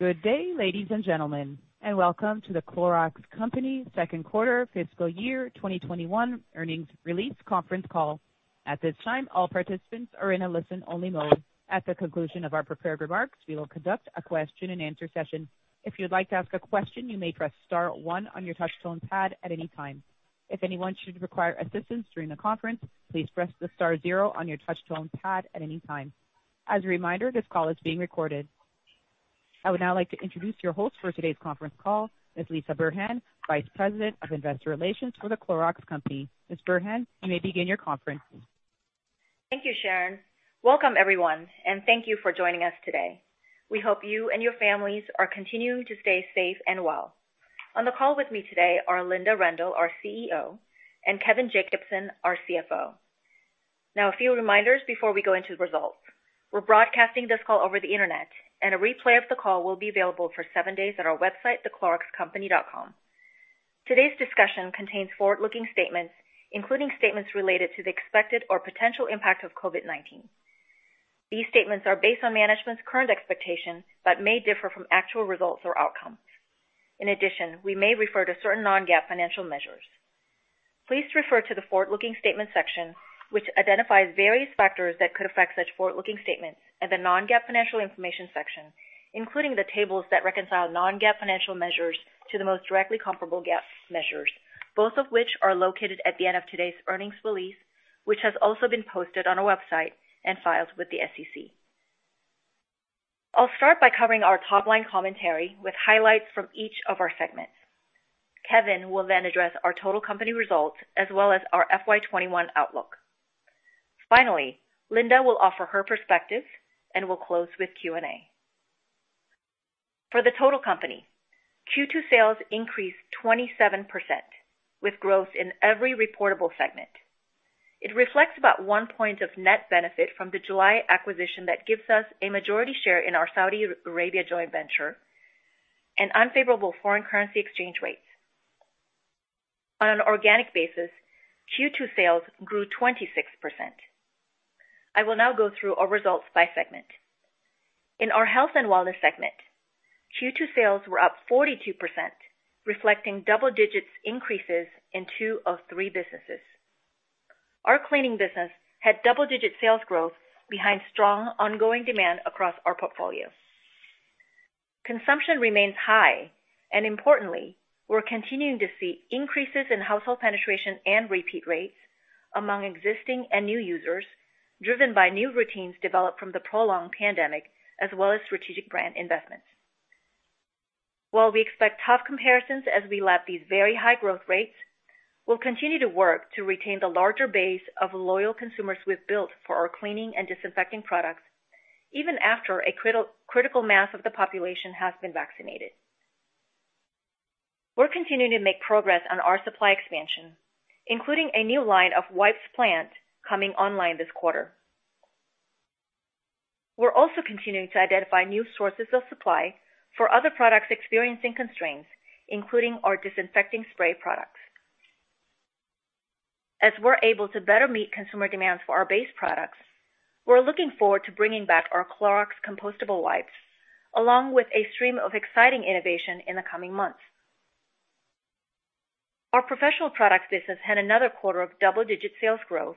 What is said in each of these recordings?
Good day, ladies and gentlemen, and welcome to the Clorox Company Second Quarter Fiscal Year 2021 Earnings release Conference Call. At this time, all participants are in a listen-only mode. At the conclusion of our prepared remarks, we will conduct a question-and-answer session. If you would like to ask a question, you may press star one on your touch-tone pad at any time. If anyone should require assistance during the conference, please press the star zero on your touch-tone pad at any time. As a reminder, this call is being recorded. I would now like to introduce your host for today's conference call, Ms. Lisah Burhan, Vice President of Investor Relations for the Clorox Company. Ms. Burhan, you may begin your conference. Thank you, Sharon. Welcome, everyone, and thank you for joining us today. We hope you and your families are continuing to stay safe and well. On the call with me today are Linda Rendle, our CEO, and Kevin Jacobsen, our CFO. Now, a few reminders before we go into the results. We're broadcasting this call over the internet, and a replay of the call will be available for seven days at our website, thecloroxcompany.com. Today's discussion contains forward-looking statements, including statements related to the expected or potential impact of COVID-19. These statements are based on management's current expectations but may differ from actual results or outcomes. In addition, we may refer to certain non-GAAP financial measures. Please refer to the forward-looking statements section, which identifies various factors that could affect such forward-looking statements, and the non-GAAP financial information section, including the tables that reconcile non-GAAP financial measures to the most directly comparable GAAP measures, both of which are located at the end of today's earnings release, which has also been posted on our website and filed with the SEC. I'll start by covering our top-line commentary with highlights from each of our segments. Kevin will then address our total company results as well as our FY 2021 outlook. Finally, Linda will offer her perspective and will close with Q&A. For the total company, Q2 sales increased 27%, with growth in every reportable segment. It reflects about one point of net benefit from the July acquisition that gives us a majority share in our Saudi Arabia joint venture and unfavorable foreign currency exchange rates. On an organic basis, Q2 sales grew 26%. I will now go through our results by segment. In our health and wellness segment, Q2 sales were up 42%, reflecting double-digit increases in two of three businesses. Our cleaning business had double-digit sales growth behind strong ongoing demand across our portfolio. Consumption remains high, and importantly, we're continuing to see increases in household penetration and repeat rates among existing and new users, driven by new routines developed from the prolonged pandemic as well as strategic brand investments. While we expect tough comparisons as we lap these very high growth rates, we'll continue to work to retain the larger base of loyal consumers we've built for our cleaning and disinfecting products, even after a critical mass of the population has been vaccinated. We're continuing to make progress on our supply expansion, including a new line of wipes plant coming online this quarter. We're also continuing to identify new sources of supply for other products experiencing constraints, including our disinfecting spray products. As we're able to better meet consumer demands for our base products, we're looking forward to bringing back our Clorox compostable wipes, along with a stream of exciting innovation in the coming months. Our professional products business had another quarter of double-digit sales growth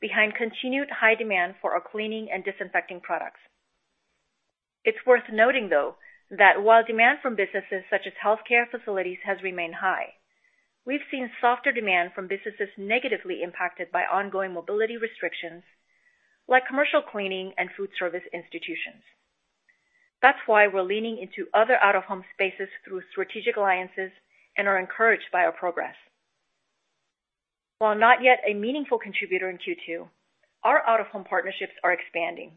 behind continued high demand for our cleaning and disinfecting products. It's worth noting, though, that while demand from businesses such as healthcare facilities has remained high, we've seen softer demand from businesses negatively impacted by ongoing mobility restrictions like commercial cleaning and food service institutions. That's why we're leaning into other out-of-home spaces through strategic alliances and are encouraged by our progress. While not yet a meaningful contributor in Q2, our out-of-home partnerships are expanding.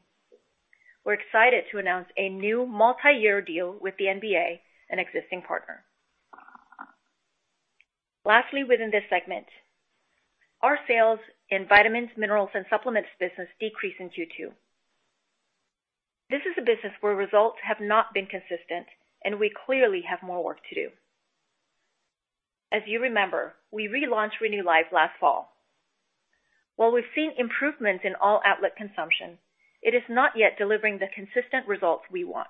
We're excited to announce a new multi-year deal with the NBA, an existing partner. Lastly, within this segment, our sales in vitamins, minerals, and supplements business decreased in Q2. This is a business where results have not been consistent, and we clearly have more work to do. As you remember, we relaunched RenewLife last fall. While we've seen improvements in all outlet consumption, it is not yet delivering the consistent results we want.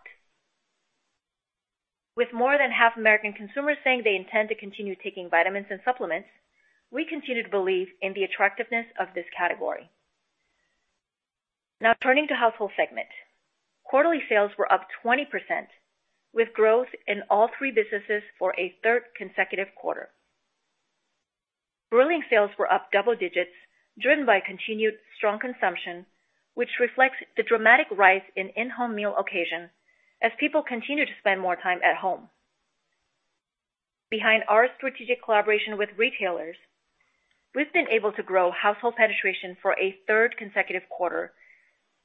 With more than half American consumers saying they intend to continue taking vitamins and supplements, we continue to believe in the attractiveness of this category. Now, turning to household segment, quarterly sales were up 20%, with growth in all three businesses for a third consecutive quarter. Grilling sales were up double digits, driven by continued strong consumption, which reflects the dramatic rise in in-home meal occasion as people continue to spend more time at home. Behind our strategic collaboration with retailers, we've been able to grow household penetration for a third consecutive quarter,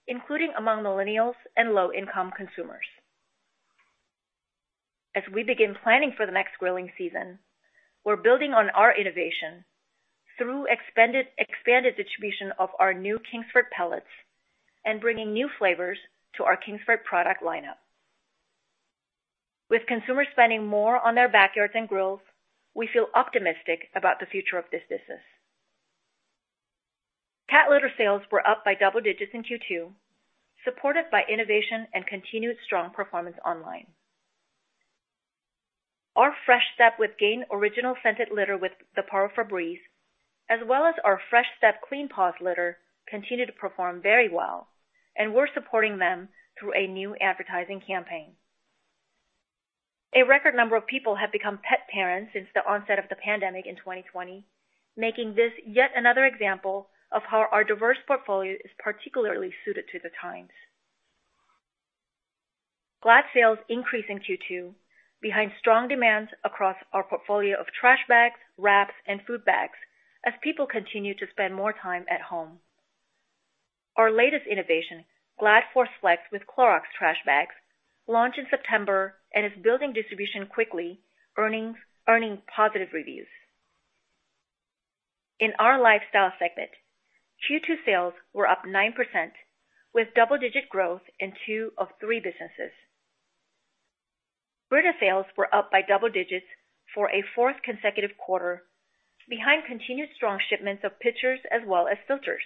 including among millennials and low-income consumers. As we begin planning for the next grilling season, we're building on our innovation through expanded distribution of our new Kingsford pellets and bringing new flavors to our Kingsford product lineup. With consumers spending more on their backyards and grills, we feel optimistic about the future of this business. Cat litter sales were up by double digits in Q2, supported by innovation and continued strong performance online. Our Fresh Step with Gain Original Scented Litter with the power for breeze, as well as our Fresh Step Clean Paws Litter, continue to perform very well, and we're supporting them through a new advertising campaign. A record number of people have become pet parents since the onset of the pandemic in 2020, making this yet another example of how our diverse portfolio is particularly suited to the times. Glad sales increased in Q2 behind strong demand across our portfolio of trash bags, wraps, and food bags as people continue to spend more time at home. Our latest innovation, Glad ForceFlex with Clorox trash bags, launched in September and is building distribution quickly, earning positive reviews. In our lifestyle segment, Q2 sales were up 9%, with double-digit growth in two of three businesses. Brita sales were up by double digits for a fourth consecutive quarter, behind continued strong shipments of pitchers as well as filters.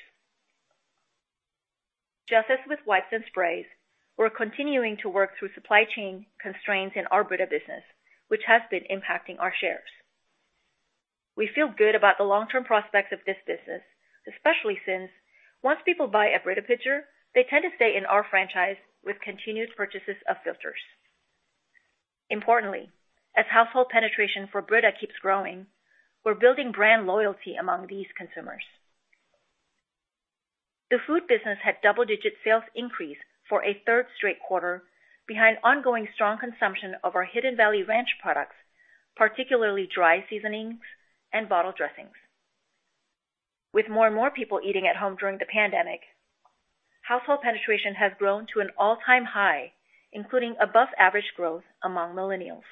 Just as with wipes and sprays, we're continuing to work through supply chain constraints in our Brita business, which has been impacting our shares. We feel good about the long-term prospects of this business, especially since, once people buy a Brita pitcher, they tend to stay in our franchise with continued purchases of filters. Importantly, as household penetration for Brita keeps growing, we're building brand loyalty among these consumers. The food business had double-digit sales increase for a third straight quarter, behind ongoing strong consumption of our Hidden Valley Ranch products, particularly dry seasonings and bottle dressings. With more and more people eating at home during the pandemic, household penetration has grown to an all-time high, including above-average growth among millennials.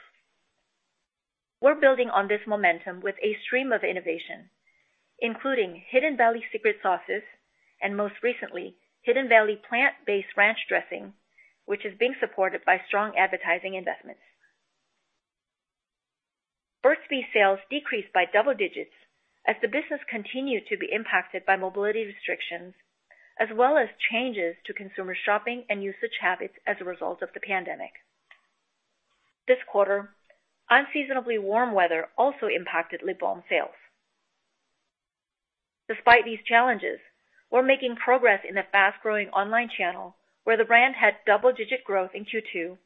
We're building on this momentum with a stream of innovation, including Hidden Valley secret sauces and, most recently, Hidden Valley plant-based ranch dressing, which is being supported by strong advertising investments. Bees sales decreased by double digits as the business continued to be impacted by mobility restrictions, as well as changes to consumer shopping and usage habits as a result of the pandemic. This quarter, unseasonably warm weather also impacted lip balm sales. Despite these challenges, we're making progress in the fast-growing online channel where the brand had double-digit growth in Q2,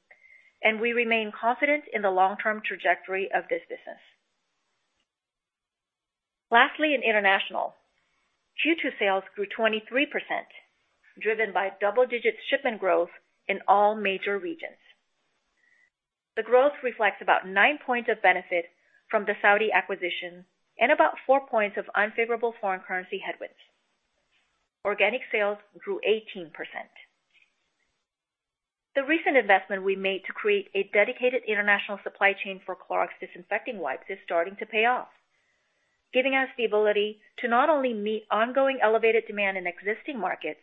and we remain confident in the long-term trajectory of this business. Lastly, in international, Q2 sales grew 23%, driven by double-digit shipment growth in all major regions. The growth reflects about nine points of benefit from the Saudi acquisition and about four points of unfavorable foreign currency headwinds. Organic sales grew 18%. The recent investment we made to create a dedicated international supply chain for Clorox disinfecting wipes is starting to pay off, giving us the ability to not only meet ongoing elevated demand in existing markets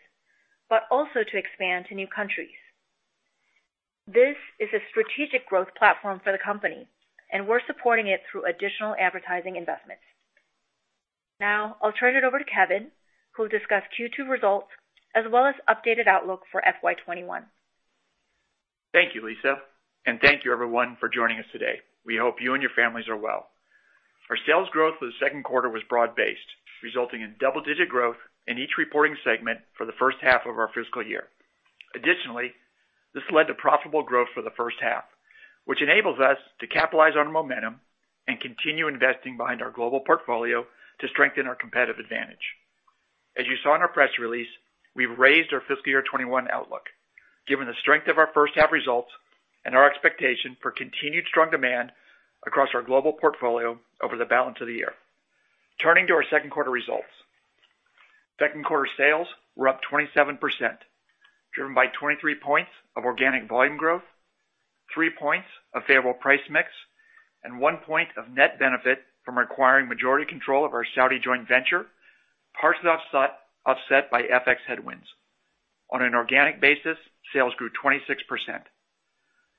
but also to expand to new countries. This is a strategic growth platform for the company, and we're supporting it through additional advertising investments. Now, I'll turn it over to Kevin, who'll discuss Q2 results as well as updated outlook for FY 2021. Thank you, Lisah, and thank you, everyone, for joining us today. We hope you and your families are well. Our sales growth for the second quarter was broad-based, resulting in double-digit growth in each reporting segment for the first half of our fiscal year. Additionally, this led to profitable growth for the first half, which enables us to capitalize on momentum and continue investing behind our global portfolio to strengthen our competitive advantage. As you saw in our press release, we've raised our fiscal year 2021 outlook, given the strength of our first-half results and our expectation for continued strong demand across our global portfolio over the balance of the year. Turning to our second-quarter results, second-quarter sales were up 27%, driven by 23 points of organic volume growth, 3 points of favorable price mix, and 1 point of net benefit from acquiring majority control of our Saudi joint venture, partly offset by FX headwinds. On an organic basis, sales grew 26%.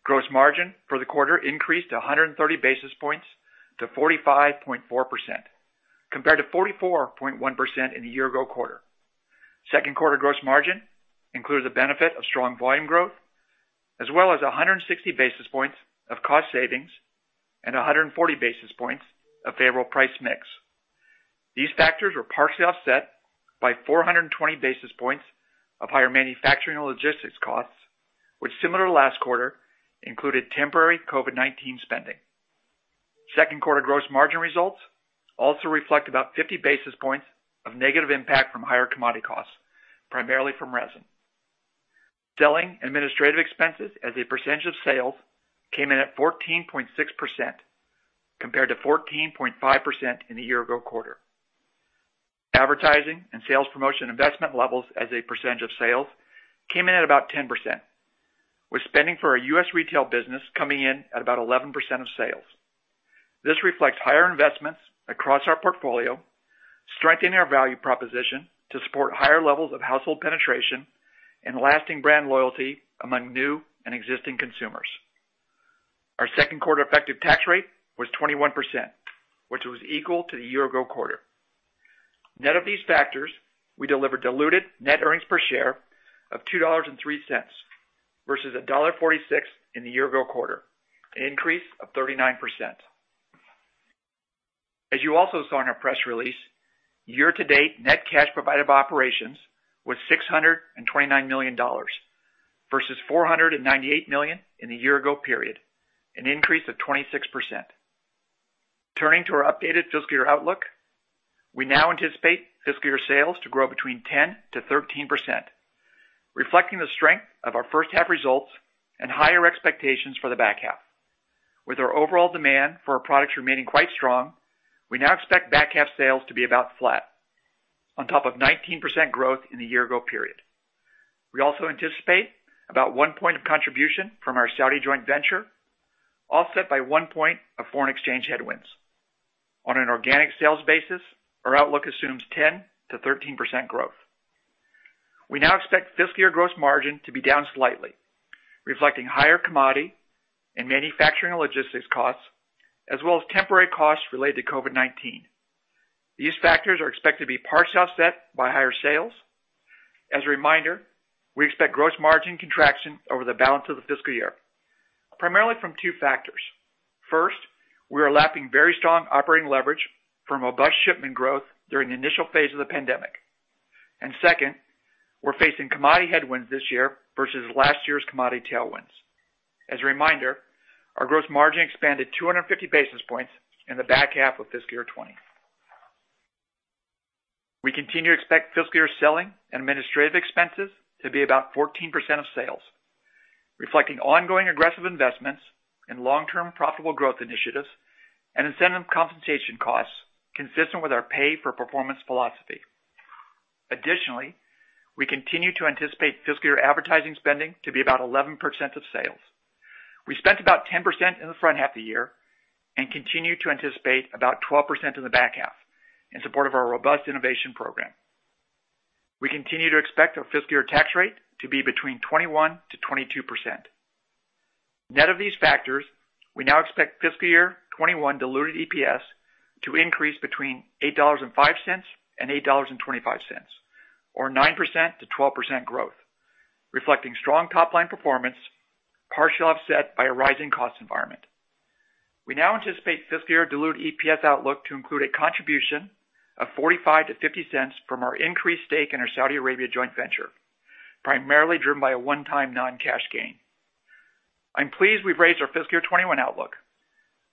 Gross margin for the quarter increased 130 basis points to 45.4%, compared to 44.1% in the year-ago quarter. Second-quarter gross margin included the benefit of strong volume growth, as well as 160 basis points of cost savings and 140 basis points of favorable price mix. These factors were partially offset by 420 basis points of higher manufacturing and logistics costs, which, similar to last quarter, included temporary COVID-19 spending. Second-quarter gross margin results also reflect about 50 basis points of negative impact from higher commodity costs, primarily from resin. Selling administrative expenses as a percentage of sales came in at 14.6%, compared to 14.5% in the year-ago quarter. Advertising and sales promotion investment levels as a percentage of sales came in at about 10%, with spending for our US retail business coming in at about 11% of sales. This reflects higher investments across our portfolio, strengthening our value proposition to support higher levels of household penetration and lasting brand loyalty among new and existing consumers. Our second-quarter effective tax rate was 21%, which was equal to the year-ago quarter. Net of these factors, we delivered diluted net earnings per share of $2.03 versus $1.46 in the year-ago quarter, an increase of 39%. As you also saw in our press release, year-to-date net cash provided by operations was $629 million versus $498 million in the year-ago period, an increase of 26%. Turning to our updated fiscal year outlook, we now anticipate fiscal year sales to grow between 10%-13%, reflecting the strength of our first-half results and higher expectations for the back half. With our overall demand for our products remaining quite strong, we now expect back half sales to be about flat, on top of 19% growth in the year-ago period. We also anticipate about one point of contribution from our Saudi joint venture, offset by one point of foreign exchange headwinds. On an organic sales basis, our outlook assumes 10%-13% growth. We now expect fiscal year gross margin to be down slightly, reflecting higher commodity and manufacturing and logistics costs, as well as temporary costs related to COVID-19. These factors are expected to be partially offset by higher sales. As a reminder, we expect gross margin contraction over the balance of the fiscal year, primarily from two factors. First, we are lapping very strong operating leverage from robust shipment growth during the initial phase of the pandemic. Second, we're facing commodity headwinds this year versus last year's commodity tailwinds. As a reminder, our gross margin expanded 250 basis points in the back half of fiscal year 2020. We continue to expect fiscal year selling and administrative expenses to be about 14% of sales, reflecting ongoing aggressive investments in long-term profitable growth initiatives and incentive compensation costs consistent with our pay-for-performance philosophy. Additionally, we continue to anticipate fiscal year advertising spending to be about 11% of sales. We spent about 10% in the front half of the year and continue to anticipate about 12% in the back half in support of our robust innovation program. We continue to expect our fiscal year tax rate to be between 21%-22%. Net of these factors, we now expect fiscal year 2021 diluted EPS to increase between $8.05 and $8.25, or 9%-12% growth, reflecting strong top-line performance, partially offset by a rising cost environment. We now anticipate fiscal year diluted EPS outlook to include a contribution of $0.45-$0.50 from our increased stake in our Saudi Arabia joint venture, primarily driven by a one-time non-cash gain. I'm pleased we've raised our fiscal year 2021 outlook.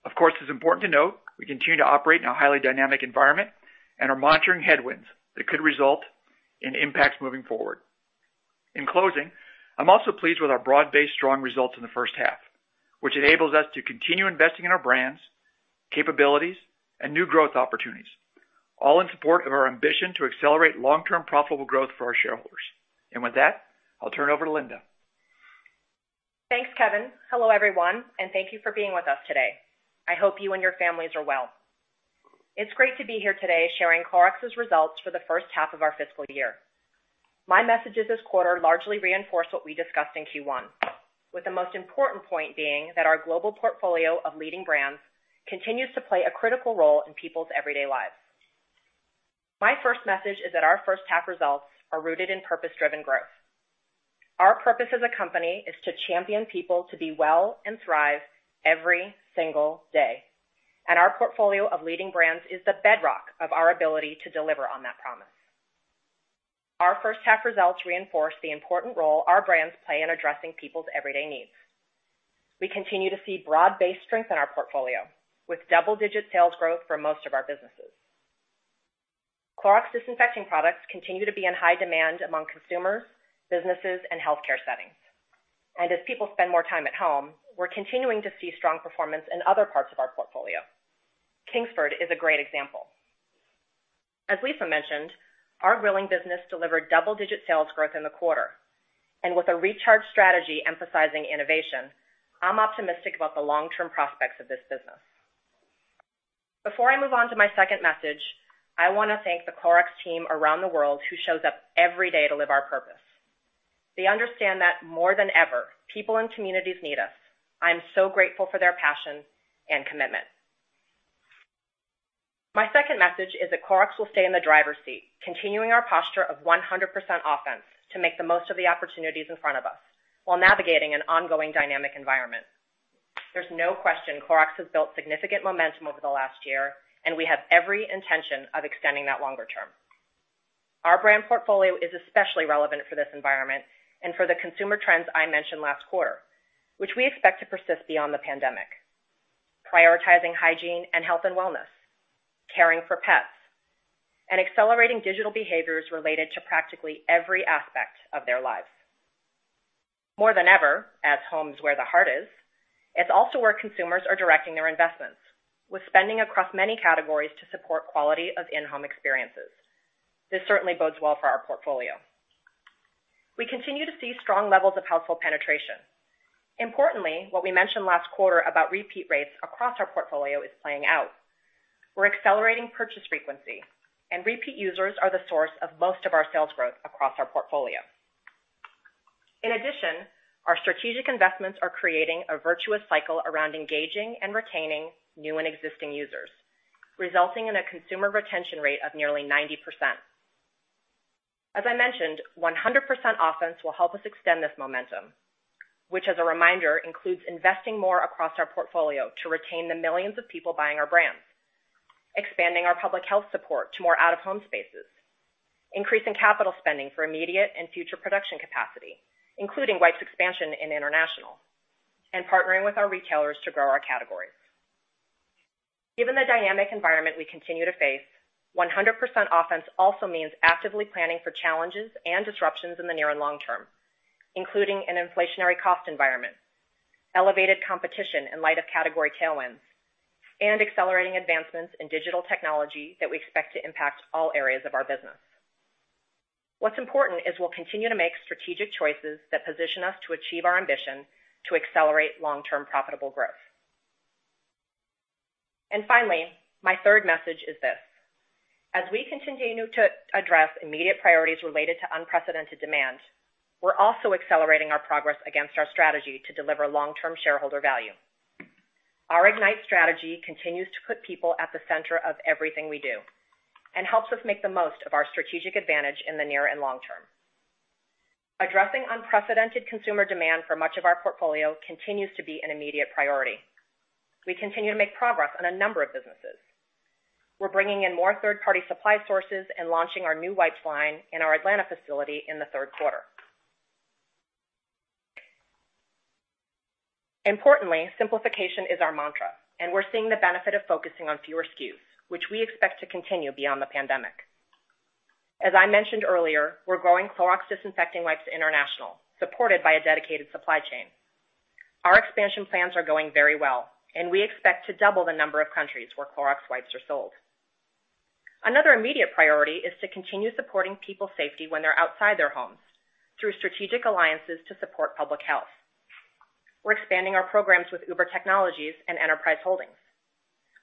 Of course, it's important to note we continue to operate in a highly dynamic environment and are monitoring headwinds that could result in impacts moving forward. In closing, I'm also pleased with our broad-based strong results in the first half, which enables us to continue investing in our brands, capabilities, and new growth opportunities, all in support of our ambition to accelerate long-term profitable growth for our shareholders. I'll turn it over to Linda. Thanks, Kevin. Hello, everyone, and thank you for being with us today. I hope you and your families are well. It's great to be here today sharing Clorox's results for the first half of our fiscal year. My messages this quarter largely reinforce what we discussed in Q1, with the most important point being that our global portfolio of leading brands continues to play a critical role in people's everyday lives. My first message is that our first-half results are rooted in purpose-driven growth. Our purpose as a company is to champion people to be well and thrive every single day. Our portfolio of leading brands is the bedrock of our ability to deliver on that promise. Our first-half results reinforce the important role our brands play in addressing people's everyday needs. We continue to see broad-based strength in our portfolio, with double-digit sales growth for most of our businesses. Clorox disinfecting products continue to be in high demand among consumers, businesses, and healthcare settings. As people spend more time at home, we're continuing to see strong performance in other parts of our portfolio. Kingsford is a great example. As Lisah mentioned, our grilling business delivered double-digit sales growth in the quarter. With a recharge strategy emphasizing innovation, I'm optimistic about the long-term prospects of this business. Before I move on to my second message, I want to thank the Clorox team around the world who shows up every day to live our purpose. They understand that more than ever, people and communities need us. I'm so grateful for their passion and commitment. My second message is that Clorox will stay in the driver's seat, continuing our posture of 100% offense to make the most of the opportunities in front of us while navigating an ongoing dynamic environment. There's no question Clorox has built significant momentum over the last year, and we have every intention of extending that longer term. Our brand portfolio is especially relevant for this environment and for the consumer trends I mentioned last quarter, which we expect to persist beyond the pandemic, prioritizing hygiene and health and wellness, caring for pets, and accelerating digital behaviors related to practically every aspect of their lives. More than ever, as home is where the heart is, it's also where consumers are directing their investments, with spending across many categories to support quality of in-home experiences. This certainly bodes well for our portfolio. We continue to see strong levels of household penetration. Importantly, what we mentioned last quarter about repeat rates across our portfolio is playing out. We're accelerating purchase frequency, and repeat users are the source of most of our sales growth across our portfolio. In addition, our strategic investments are creating a virtuous cycle around engaging and retaining new and existing users, resulting in a consumer retention rate of nearly 90%. As I mentioned, 100% offense will help us extend this momentum, which, as a reminder, includes investing more across our portfolio to retain the millions of people buying our brands, expanding our public health support to more out-of-home spaces, increasing capital spending for immediate and future production capacity, including wipes expansion in international, and partnering with our retailers to grow our categories. Given the dynamic environment we continue to face, 100% offense also means actively planning for challenges and disruptions in the near and long term, including an inflationary cost environment, elevated competition in light of category tailwinds, and accelerating advancements in digital technology that we expect to impact all areas of our business. What's important is we'll continue to make strategic choices that position us to achieve our ambition to accelerate long-term profitable growth. Finally, my third message is this: as we continue to address immediate priorities related to unprecedented demand, we're also accelerating our progress against our strategy to deliver long-term shareholder value. Our Ignite strategy continues to put people at the center of everything we do and helps us make the most of our strategic advantage in the near and long term. Addressing unprecedented consumer demand for much of our portfolio continues to be an immediate priority. We continue to make progress on a number of businesses. We're bringing in more third-party supply sources and launching our new wipes line in our Atlanta facility in the third quarter. Importantly, simplification is our mantra, and we're seeing the benefit of focusing on fewer SKUs, which we expect to continue beyond the pandemic. As I mentioned earlier, we're growing Clorox disinfecting wipes international, supported by a dedicated supply chain. Our expansion plans are going very well, and we expect to double the number of countries where Clorox wipes are sold. Another immediate priority is to continue supporting people's safety when they're outside their homes through strategic alliances to support public health. We're expanding our programs with Uber Technologies and Enterprise Holdings.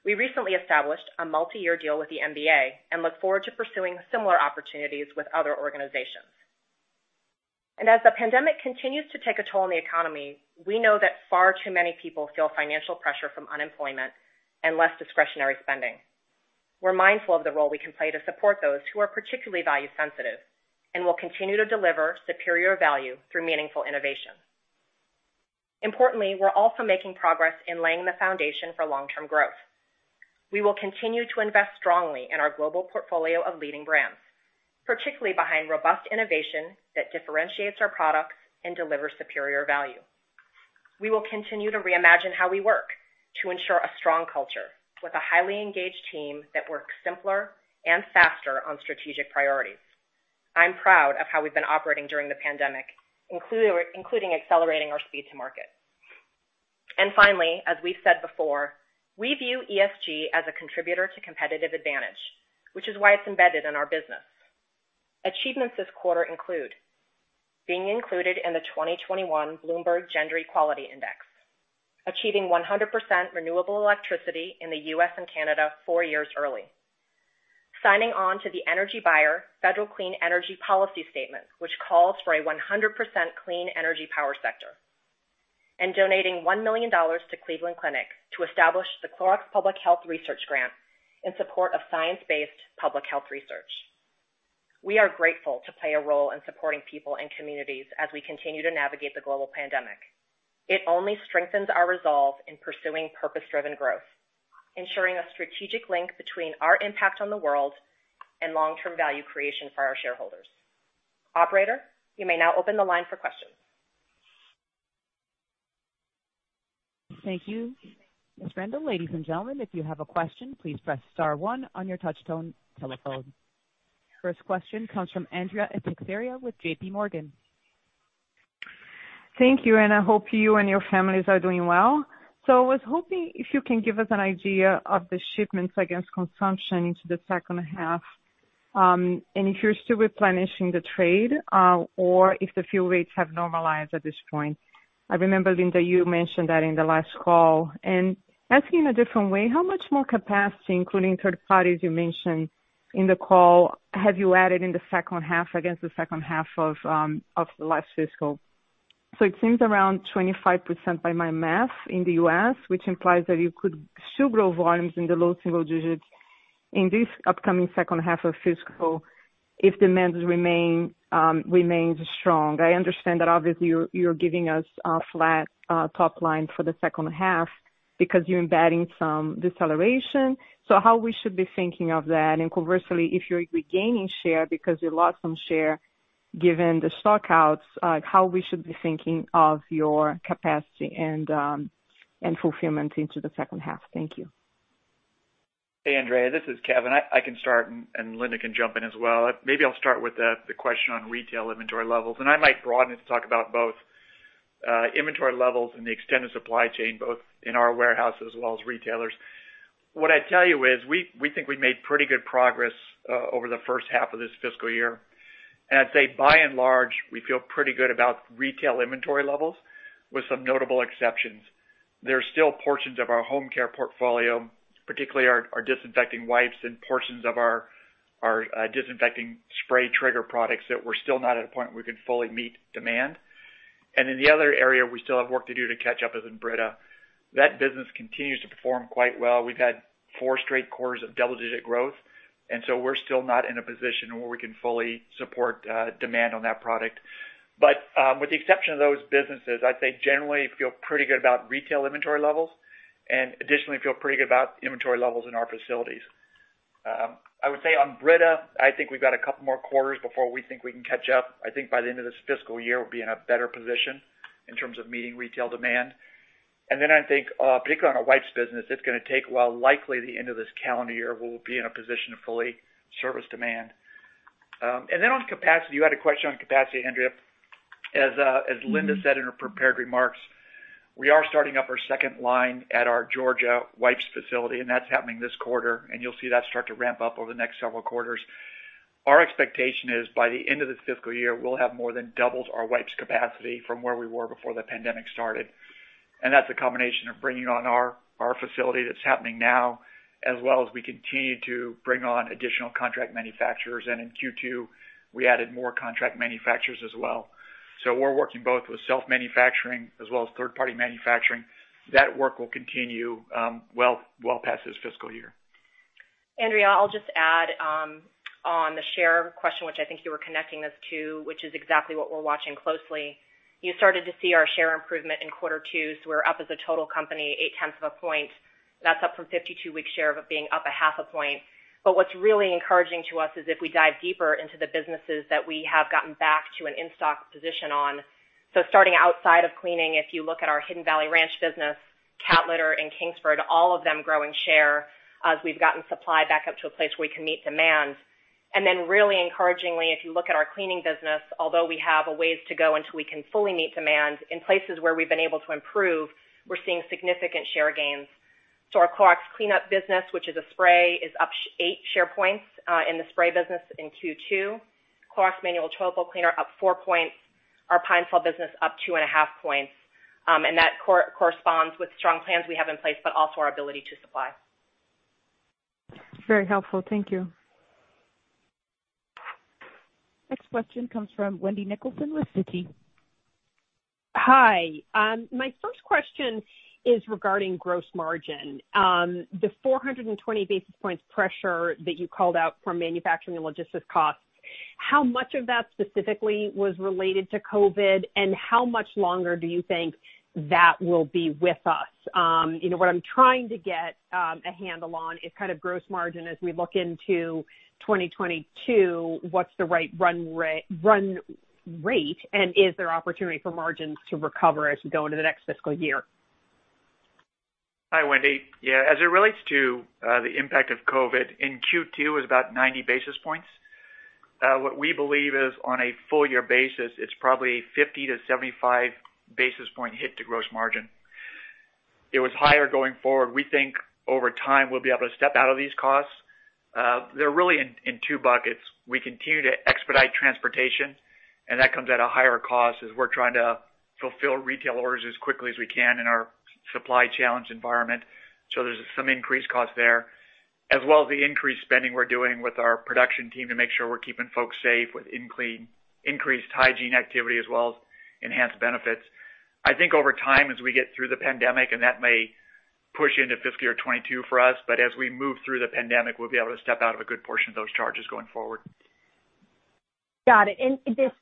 We recently established a multi-year deal with the NBA and look forward to pursuing similar opportunities with other organizations. As the pandemic continues to take a toll on the economy, we know that far too many people feel financial pressure from unemployment and less discretionary spending. We're mindful of the role we can play to support those who are particularly value-sensitive and will continue to deliver superior value through meaningful innovation. Importantly, we're also making progress in laying the foundation for long-term growth. We will continue to invest strongly in our global portfolio of leading brands, particularly behind robust innovation that differentiates our products and delivers superior value. We will continue to reimagine how we work to ensure a strong culture with a highly engaged team that works simpler and faster on strategic priorities. I'm proud of how we've been operating during the pandemic, including accelerating our speed to market. Finally, as we've said before, we view ESG as a contributor to competitive advantage, which is why it's embedded in our business. Achievements this quarter include being included in the 2021 Bloomberg Gender Equality Index, achieving 100% renewable electricity in the US and Canada four years early, signing on to the Energy Buyer Federal Clean Energy Policy Statement, which calls for a 100% clean energy power sector, and donating $1 million to Cleveland Clinic to establish the Clorox Public Health Research Grant in support of science-based public health research. We are grateful to play a role in supporting people and communities as we continue to navigate the global pandemic. It only strengthens our resolve in pursuing purpose-driven growth, ensuring a strategic link between our impact on the world and long-term value creation for our shareholders. Operator, you may now open the line for questions. Thank you. Ms. Rendle, ladies and gentlemen, if you have a question, please press star one on your touch-tone telephone. First question comes from Andrea Teixeira with JPMorgan. Thank you, and I hope you and your families are doing well. I was hoping if you can give us an idea of the shipments against consumption into the second half, and if you're still replenishing the trade or if the fuel rates have normalized at this point. I remember, Linda, you mentioned that in the last call. Asking in a different way, how much more capacity, including third parties you mentioned in the call, have you added in the second half against the second half of the last fiscal? It seems around 25% by my math in the US, which implies that you could still grow volumes in the low single digits in this upcoming second half of fiscal if demand remains strong. I understand that, obviously, you're giving us a flat top line for the second half because you're embedding some deceleration. How should we be thinking of that? Conversely, if you're regaining share because you lost some share given the stockouts, how should we be thinking of your capacity and fulfillment into the second half? Thank you. Hey, Andrea. This is Kevin. I can start, and Linda can jump in as well. Maybe I'll start with the question on retail inventory levels. I might broaden it to talk about both inventory levels and the extended supply chain, both in our warehouse as well as retailers. What I'd tell you is we think we made pretty good progress over the first half of this fiscal year. I'd say, by and large, we feel pretty good about retail inventory levels with some notable exceptions. There are still portions of our home care portfolio, particularly our disinfecting wipes and portions of our disinfecting spray trigger products that we're still not at a point where we can fully meet demand. In the other area, we still have work to do to catch up with Brita. That business continues to perform quite well. We've had four straight quarters of double-digit growth. We're still not in a position where we can fully support demand on that product. With the exception of those businesses, I'd say, generally, I feel pretty good about retail inventory levels. Additionally, I feel pretty good about inventory levels in our facilities. I would say, on Brita, I think we've got a couple more quarters before we think we can catch up. I think by the end of this fiscal year, we'll be in a better position in terms of meeting retail demand. I think, particularly on our wipes business, it's going to take likely the end of this calendar year where we'll be in a position to fully service demand. On capacity, you had a question on capacity, Andrea. As Linda said in her prepared remarks, we are starting up our second line at our Georgia wipes facility, and that's happening this quarter. You will see that start to ramp up over the next several quarters. Our expectation is, by the end of this fiscal year, we will have more than doubled our wipes capacity from where we were before the pandemic started. That is a combination of bringing on our facility that is happening now, as well as we continue to bring on additional contract manufacturers. In Q2, we added more contract manufacturers as well. We are working both with self-manufacturing as well as third-party manufacturing. That work will continue well past this fiscal year. Andrea, I'll just add on the share question, which I think you were connecting us to, which is exactly what we're watching closely. You started to see our share improvement in quarter two. We're up as a total company 0.8 of a point. That's up from 52-week share of being up 0.5 of a point. What's really encouraging to us is if we dive deeper into the businesses that we have gotten back to an in-stock position on. Starting outside of cleaning, if you look at our Hidden Valley Ranch business, Cat Litter, and Kingsford, all of them growing share as we've gotten supply back up to a place where we can meet demand. Really encouragingly, if you look at our cleaning business, although we have a ways to go until we can fully meet demand, in places where we have been able to improve, we are seeing significant share gains. Our Clorox cleanup business, which is a spray, is up eight share points in the spray business in Q2. Clorox manual toilet bowl cleaner, up four points. Our Pine-Sol business, up two and a half points. That corresponds with strong plans we have in place, but also our ability to supply. Very helpful. Thank you. Next question comes from Wendy Nicholson with Citi. Hi. My first question is regarding gross margin. The 420 basis points pressure that you called out for manufacturing and logistics costs, how much of that specifically was related to COVID, and how much longer do you think that will be with us? What I'm trying to get a handle on is kind of gross margin as we look into 2022, what's the right run rate, and is there opportunity for margins to recover as we go into the next fiscal year? Hi, Wendy. Yeah, as it relates to the impact of COVID, in Q2, it was about 90 basis points. What we believe is, on a full-year basis, it's probably a 50-75 basis point hit to gross margin. It was higher going forward. We think, over time, we'll be able to step out of these costs. They're really in two buckets. We continue to expedite transportation, and that comes at a higher cost as we're trying to fulfill retail orders as quickly as we can in our supply challenge environment. There's some increased cost there, as well as the increased spending we're doing with our production team to make sure we're keeping folks safe with increased hygiene activity as well as enhanced benefits. I think, over time, as we get through the pandemic, and that may push into fiscal year 2022 for us, but as we move through the pandemic, we'll be able to step out of a good portion of those charges going forward. Got it.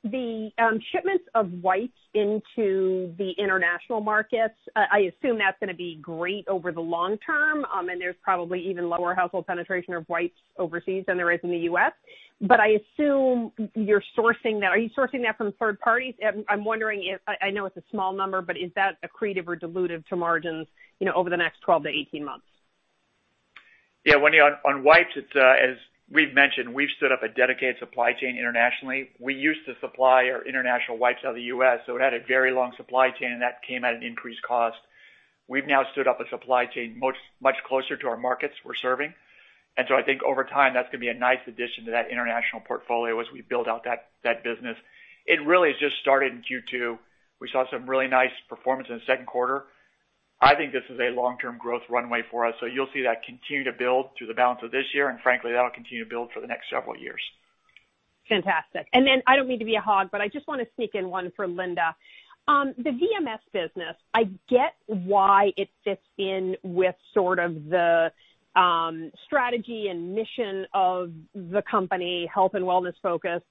The shipments of wipes into the international markets, I assume that's going to be great over the long term, and there's probably even lower household penetration of wipes overseas than there is in the U.S. I assume you're sourcing that. Are you sourcing that from third parties? I'm wondering if I know it's a small number, but is that accretive or dilutive to margins over the next 12 to 18 months? Yeah, Wendy, on wipes, as we've mentioned, we've stood up a dedicated supply chain internationally. We used to supply our international wipes out of the U.S., so it had a very long supply chain, and that came at an increased cost. We've now stood up a supply chain much closer to our markets we're serving. I think, over time, that's going to be a nice addition to that international portfolio as we build out that business. It really just started in Q2. We saw some really nice performance in the second quarter. I think this is a long-term growth runway for us. You'll see that continue to build through the balance of this year, and frankly, that'll continue to build for the next several years. Fantastic. I do not mean to be a hog, but I just want to sneak in one for Linda. The VMS business, I get why it fits in with sort of the strategy and mission of the company, health and wellness focus.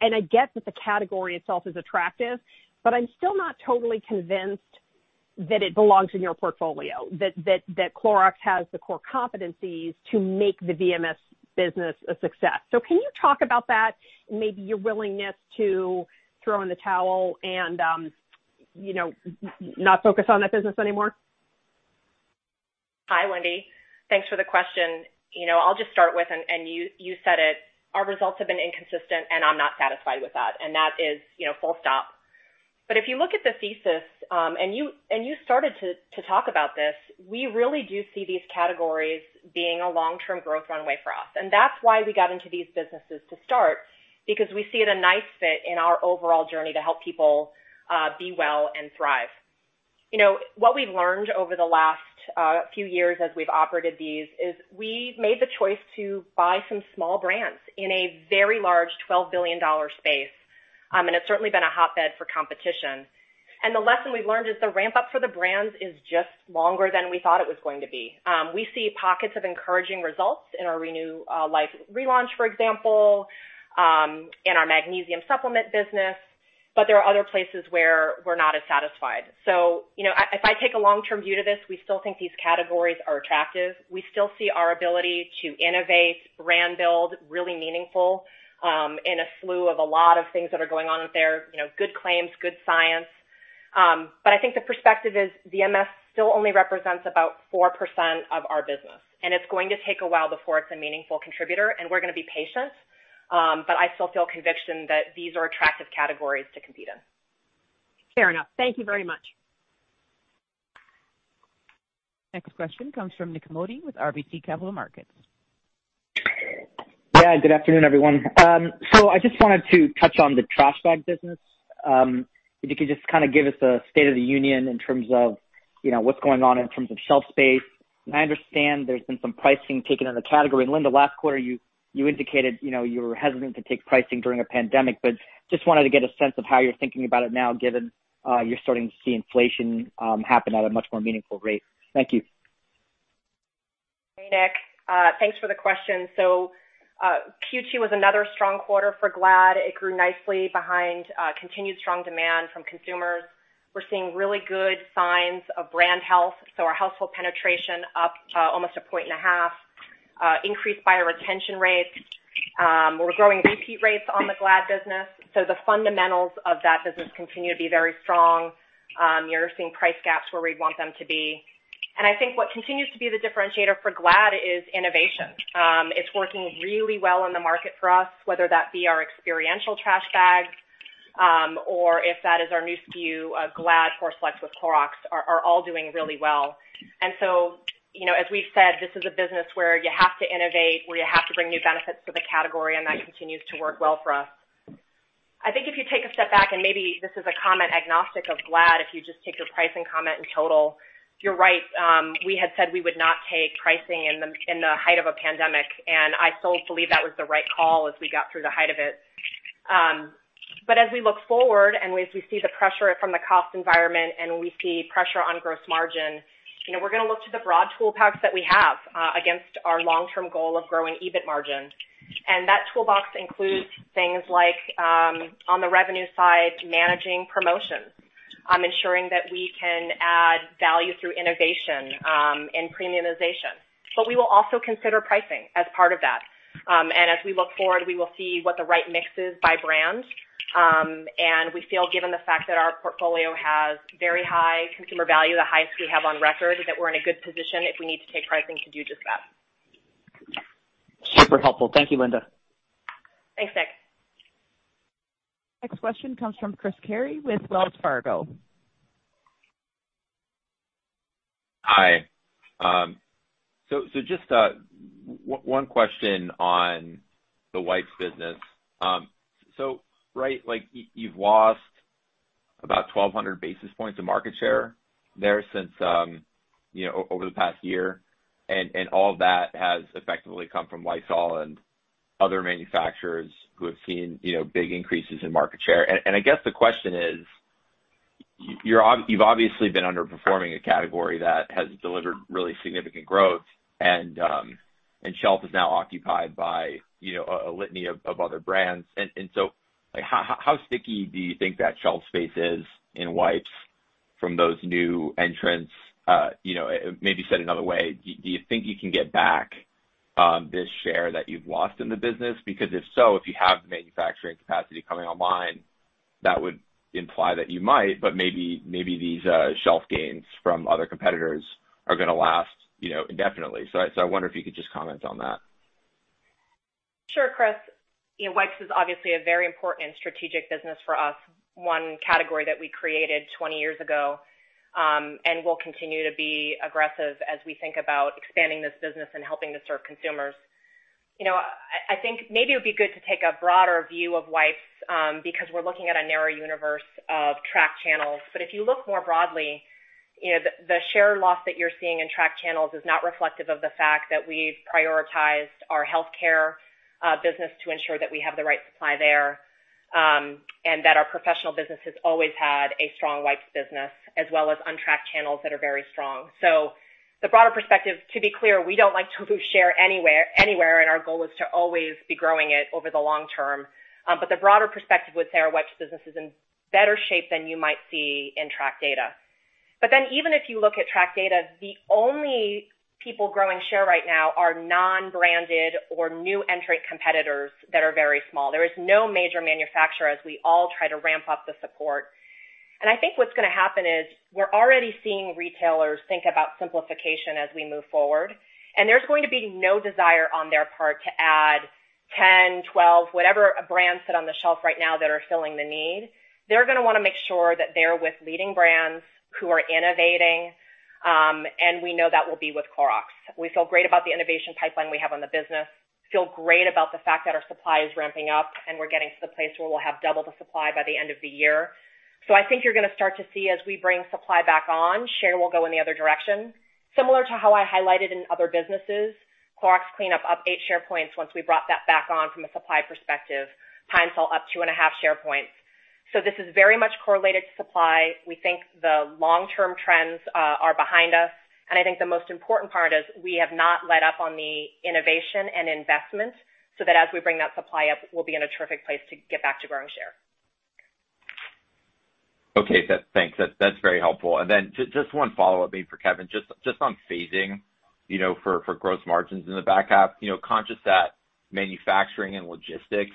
I get that the category itself is attractive, but I am still not totally convinced that it belongs in your portfolio, that Clorox has the core competencies to make the VMS business a success. Can you talk about that and maybe your willingness to throw in the towel and not focus on that business anymore? Hi, Wendy. Thanks for the question. I'll just start with, and you said it, our results have been inconsistent, and I'm not satisfied with that. That is full stop. If you look at the thesis, and you started to talk about this, we really do see these categories being a long-term growth runway for us. That's why we got into these businesses to start, because we see it a nice fit in our overall journey to help people be well and thrive. What we've learned over the last few years as we've operated these is we made the choice to buy some small brands in a very large $12 billion space. It's certainly been a hotbed for competition. The lesson we've learned is the ramp-up for the brands is just longer than we thought it was going to be. We see pockets of encouraging results in our RenewLife relaunch, for example, in our magnesium supplement business, but there are other places where we're not as satisfied. If I take a long-term view to this, we still think these categories are attractive. We still see our ability to innovate, brand build really meaningful in a slew of a lot of things that are going on out there, good claims, good science. I think the perspective is VMS still only represents about 4% of our business. It's going to take a while before it's a meaningful contributor, and we're going to be patient. I still feel conviction that these are attractive categories to compete in. Fair enough. Thank you very much. Next question comes from Nick Modi with RBC Capital Markets. Yeah, good afternoon, everyone. I just wanted to touch on the trash bag business. If you could just kind of give us a state of the union in terms of what's going on in terms of shelf space. I understand there's been some pricing taken in the category. Linda, last quarter, you indicated you were hesitant to take pricing during a pandemic, but just wanted to get a sense of how you're thinking about it now, given you're starting to see inflation happen at a much more meaningful rate. Thank you. Hey, Nick. Thanks for the question. Q2 was another strong quarter for Glad. It grew nicely behind continued strong demand from consumers. We're seeing really good signs of brand health. Our household penetration is up almost a point and a half, increased buyer retention rates. We're growing repeat rates on the Glad business. The fundamentals of that business continue to be very strong. You're seeing price gaps where we'd want them to be. I think what continues to be the differentiator for Glad is innovation. It's working really well in the market for us, whether that be our experiential trash bags or if that is our new SKU, Glad ForceFlex with Clorox, are all doing really well. As we've said, this is a business where you have to innovate, where you have to bring new benefits to the category, and that continues to work well for us. I think if you take a step back, and maybe this is a comment agnostic of Glad, if you just take your pricing comment in total, you're right. We had said we would not take pricing in the height of a pandemic. I still believe that was the right call as we got through the height of it. As we look forward and as we see the pressure from the cost environment and we see pressure on gross margin, we're going to look to the broad toolbox that we have against our long-term goal of growing EBIT margin. That toolbox includes things like, on the revenue side, managing promotions, ensuring that we can add value through innovation and premiumization. We will also consider pricing as part of that. As we look forward, we will see what the right mix is by brand. We feel, given the fact that our portfolio has very high consumer value, the highest we have on record, that we're in a good position if we need to take pricing to do just that. Super helpful. Thank you, Linda. Thanks, Nick. Next question comes from Chris Carey with Wells Fargo. Hi. Just one question on the wipes business. You've lost about 1,200 basis points of market share there over the past year. All of that has effectively come from Lysol and other manufacturers who have seen big increases in market share. I guess the question is, you've obviously been underperforming a category that has delivered really significant growth, and shelf is now occupied by a litany of other brands. How sticky do you think that shelf space is in wipes from those new entrants? Maybe said another way, do you think you can get back this share that you've lost in the business? If you have the manufacturing capacity coming online, that would imply that you might, but maybe these shelf gains from other competitors are going to last indefinitely. I wonder if you could just comment on that. Sure, Chris. Wipes is obviously a very important strategic business for us, one category that we created 20 years ago and will continue to be aggressive as we think about expanding this business and helping to serve consumers. I think maybe it would be good to take a broader view of wipes because we're looking at a narrow universe of track channels. If you look more broadly, the share loss that you're seeing in track channels is not reflective of the fact that we've prioritized our healthcare business to ensure that we have the right supply there and that our professional business has always had a strong wipes business as well as untracked channels that are very strong. The broader perspective, to be clear, we don't like to lose share anywhere, and our goal is to always be growing it over the long term. The broader perspective would say our wipes business is in better shape than you might see in track data. Even if you look at track data, the only people growing share right now are non-branded or new entrant competitors that are very small. There is no major manufacturer as we all try to ramp up the support. I think what is going to happen is we are already seeing retailers think about simplification as we move forward. There is going to be no desire on their part to add 10, 12, whatever brands sit on the shelf right now that are filling the need. They are going to want to make sure that they are with leading brands who are innovating. We know that will be with Clorox. We feel great about the innovation pipeline we have on the business. Feel great about the fact that our supply is ramping up and we're getting to the place where we'll have double the supply by the end of the year. I think you're going to start to see as we bring supply back on, share will go in the other direction. Similar to how I highlighted in other businesses, Clorox cleanup up eight share points once we brought that back on from a supply perspective. Pine-Sol up two and a half share points. This is very much correlated to supply. We think the long-term trends are behind us. I think the most important part is we have not let up on the innovation and investment so that as we bring that supply up, we'll be in a terrific place to get back to growing share. Okay. Thanks. That's very helpful. Just one follow-up maybe for Kevin, just on phasing for gross margins in the back half, conscious that manufacturing and logistics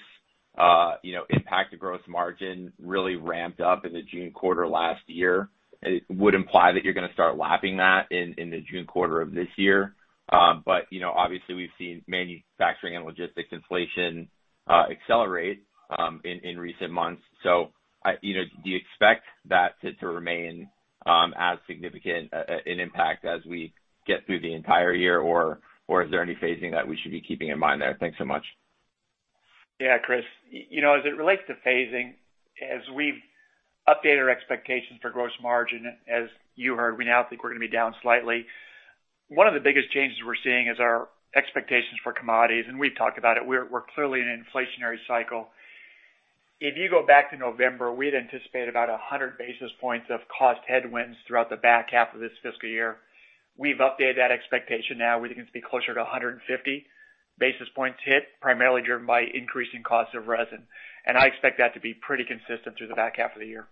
impacted gross margin really ramped up in the June quarter last year, it would imply that you're going to start lapping that in the June quarter of this year. Obviously, we've seen manufacturing and logistics inflation accelerate in recent months. Do you expect that to remain as significant an impact as we get through the entire year, or is there any phasing that we should be keeping in mind there? Thanks so much. Yeah, Chris. As it relates to phasing, as we've updated our expectations for gross margin, as you heard, we now think we're going to be down slightly. One of the biggest changes we're seeing is our expectations for commodities. We've talked about it. We're clearly in an inflationary cycle. If you go back to November, we'd anticipate about 100 basis points of cost headwinds throughout the back half of this fiscal year. We've updated that expectation now. We think it's going to be closer to 150 basis points hit, primarily driven by increasing costs of resin. I expect that to be pretty consistent through the back half of the year.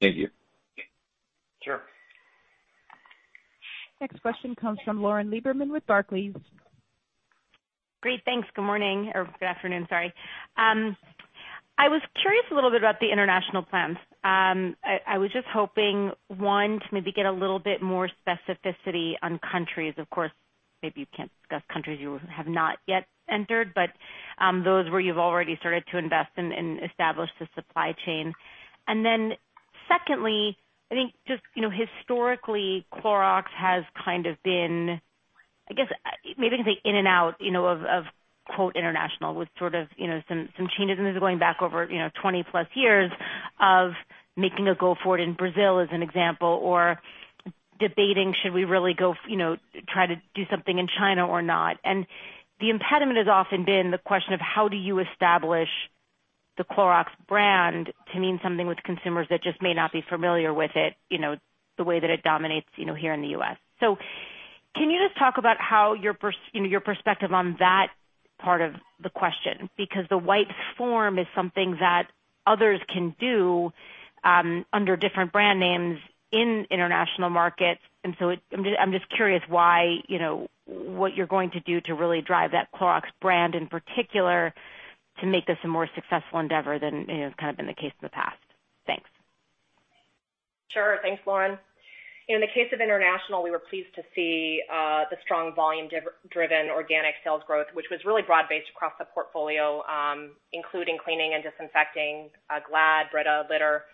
Thank you. Sure. Next question comes from Lauren Lieberman with Barclays. Great. Thanks. Good morning or good afternoon, sorry. I was curious a little bit about the international plans. I was just hoping, one, to maybe get a little bit more specificity on countries. Of course, maybe you can't discuss countries you have not yet entered, but those where you've already started to invest and establish the supply chain. Secondly, I think just historically, Clorox has kind of been, I guess, maybe I can say in and out of, quote, "international" with sort of some changes in this going back over 20-plus years of making a go-forward in Brazil as an example or debating, should we really go try to do something in China or not. The impediment has often been the question of how do you establish the Clorox brand to mean something with consumers that just may not be familiar with it the way that it dominates here in the US. Can you just talk about how your perspective on that part of the question? The wipes form is something that others can do under different brand names in international markets. I am just curious what you are going to do to really drive that Clorox brand in particular to make this a more successful endeavor than kind of been the case in the past. Thanks. Sure. Thanks, Lauren. In the case of international, we were pleased to see the strong volume-driven organic sales growth, which was really broad-based across the portfolio, including cleaning and disinfecting, Glad, Brita, Litter.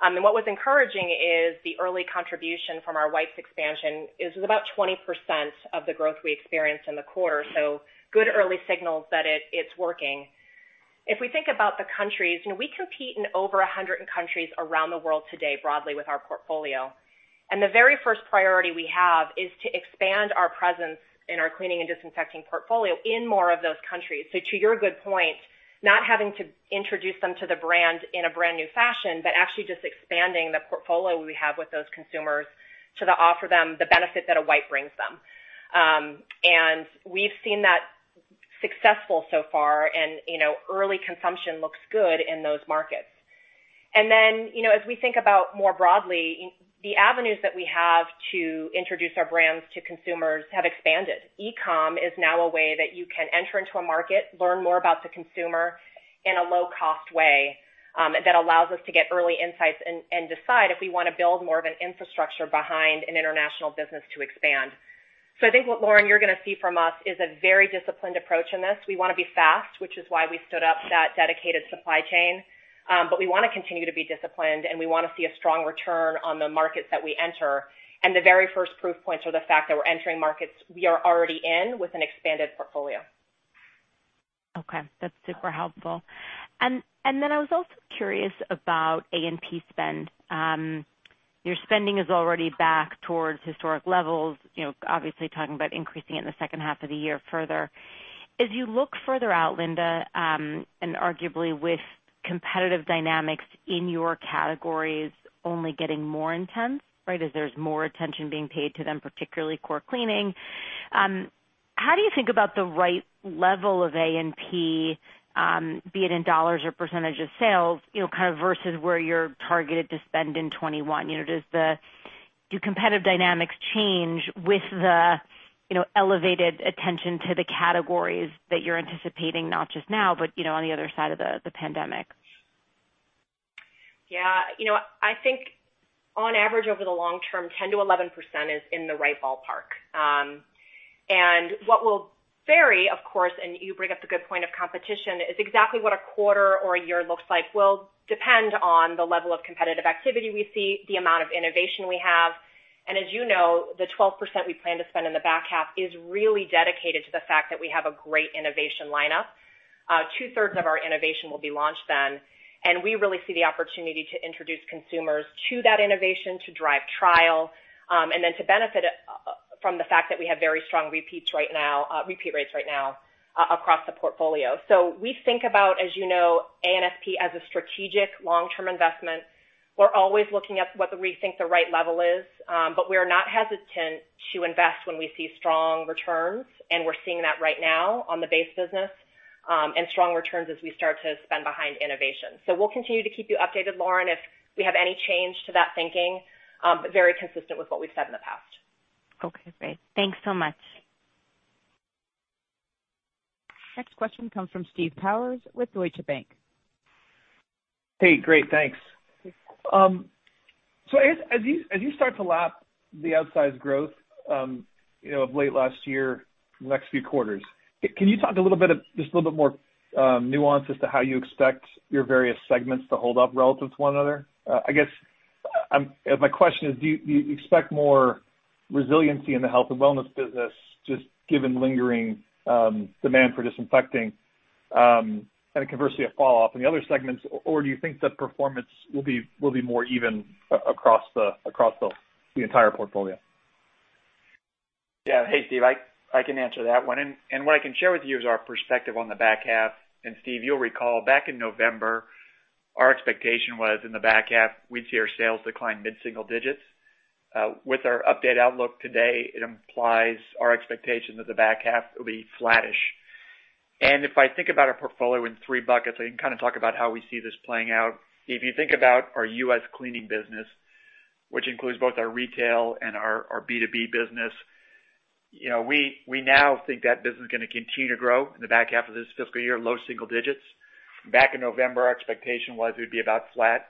What was encouraging is the early contribution from our wipes expansion is about 20% of the growth we experienced in the quarter. Good early signals that it's working. If we think about the countries, we compete in over 100 countries around the world today broadly with our portfolio. The very first priority we have is to expand our presence in our cleaning and disinfecting portfolio in more of those countries. To your good point, not having to introduce them to the brand in a brand new fashion, but actually just expanding the portfolio we have with those consumers to offer them the benefit that a wipe brings them. We have seen that successful so far, and early consumption looks good in those markets. As we think about more broadly, the avenues that we have to introduce our brands to consumers have expanded. E-com is now a way that you can enter into a market, learn more about the consumer in a low-cost way that allows us to get early insights and decide if we want to build more of an infrastructure behind an international business to expand. I think what, Lauren, you are going to see from us is a very disciplined approach in this. We want to be fast, which is why we stood up that dedicated supply chain. We want to continue to be disciplined, and we want to see a strong return on the markets that we enter. The very first proof points are the fact that we're entering markets we are already in with an expanded portfolio. Okay. That's super helpful. I was also curious about A&P spend. Your spending is already back towards historic levels, obviously talking about increasing it in the second half of the year further. As you look further out, Linda, and arguably with competitive dynamics in your categories only getting more intense, right, as there's more attention being paid to them, particularly core cleaning, how do you think about the right level of A&P, be it in dollars or percentage of sales, kind of versus where you're targeted to spend in 2021? Do competitive dynamics change with the elevated attention to the categories that you're anticipating, not just now, but on the other side of the pandemic? Yeah. I think on average, over the long term, 10-11% is in the right ballpark. What will vary, of course, and you bring up the good point of competition, is exactly what a quarter or a year looks like will depend on the level of competitive activity we see, the amount of innovation we have. As you know, the 12% we plan to spend in the back half is really dedicated to the fact that we have a great innovation lineup. Two-thirds of our innovation will be launched then. We really see the opportunity to introduce consumers to that innovation, to drive trial, and then to benefit from the fact that we have very strong repeat rates right now across the portfolio. We think about, as you know, A&P as a strategic long-term investment. We're always looking at what we think the right level is, but we are not hesitant to invest when we see strong returns. We are seeing that right now on the base business and strong returns as we start to spend behind innovation. We will continue to keep you updated, Lauren, if we have any change to that thinking, but very consistent with what we've said in the past. Okay. Great. Thanks so much. Next question comes from Steve Powers with Deutsche Bank. Great. Thanks. I guess as you start to lap the outsized growth of late last year, the next few quarters, can you talk a little bit, just a little bit more nuance as to how you expect your various segments to hold up relative to one another? I guess my question is, do you expect more resiliency in the health and wellness business just given lingering demand for disinfecting and conversely a falloff in the other segments, or do you think the performance will be more even across the entire portfolio? Yeah. Hey, Steve, I can answer that one. What I can share with you is our perspective on the back half. Steve, you'll recall back in November, our expectation was in the back half, we'd see our sales decline mid-single digits. With our updated outlook today, it implies our expectation that the back half will be flattish. If I think about our portfolio in three buckets, I can kind of talk about how we see this playing out. If you think about our US cleaning business, which includes both our retail and our B2B business, we now think that business is going to continue to grow in the back half of this fiscal year, low single digits. Back in November, our expectation was it would be about flat.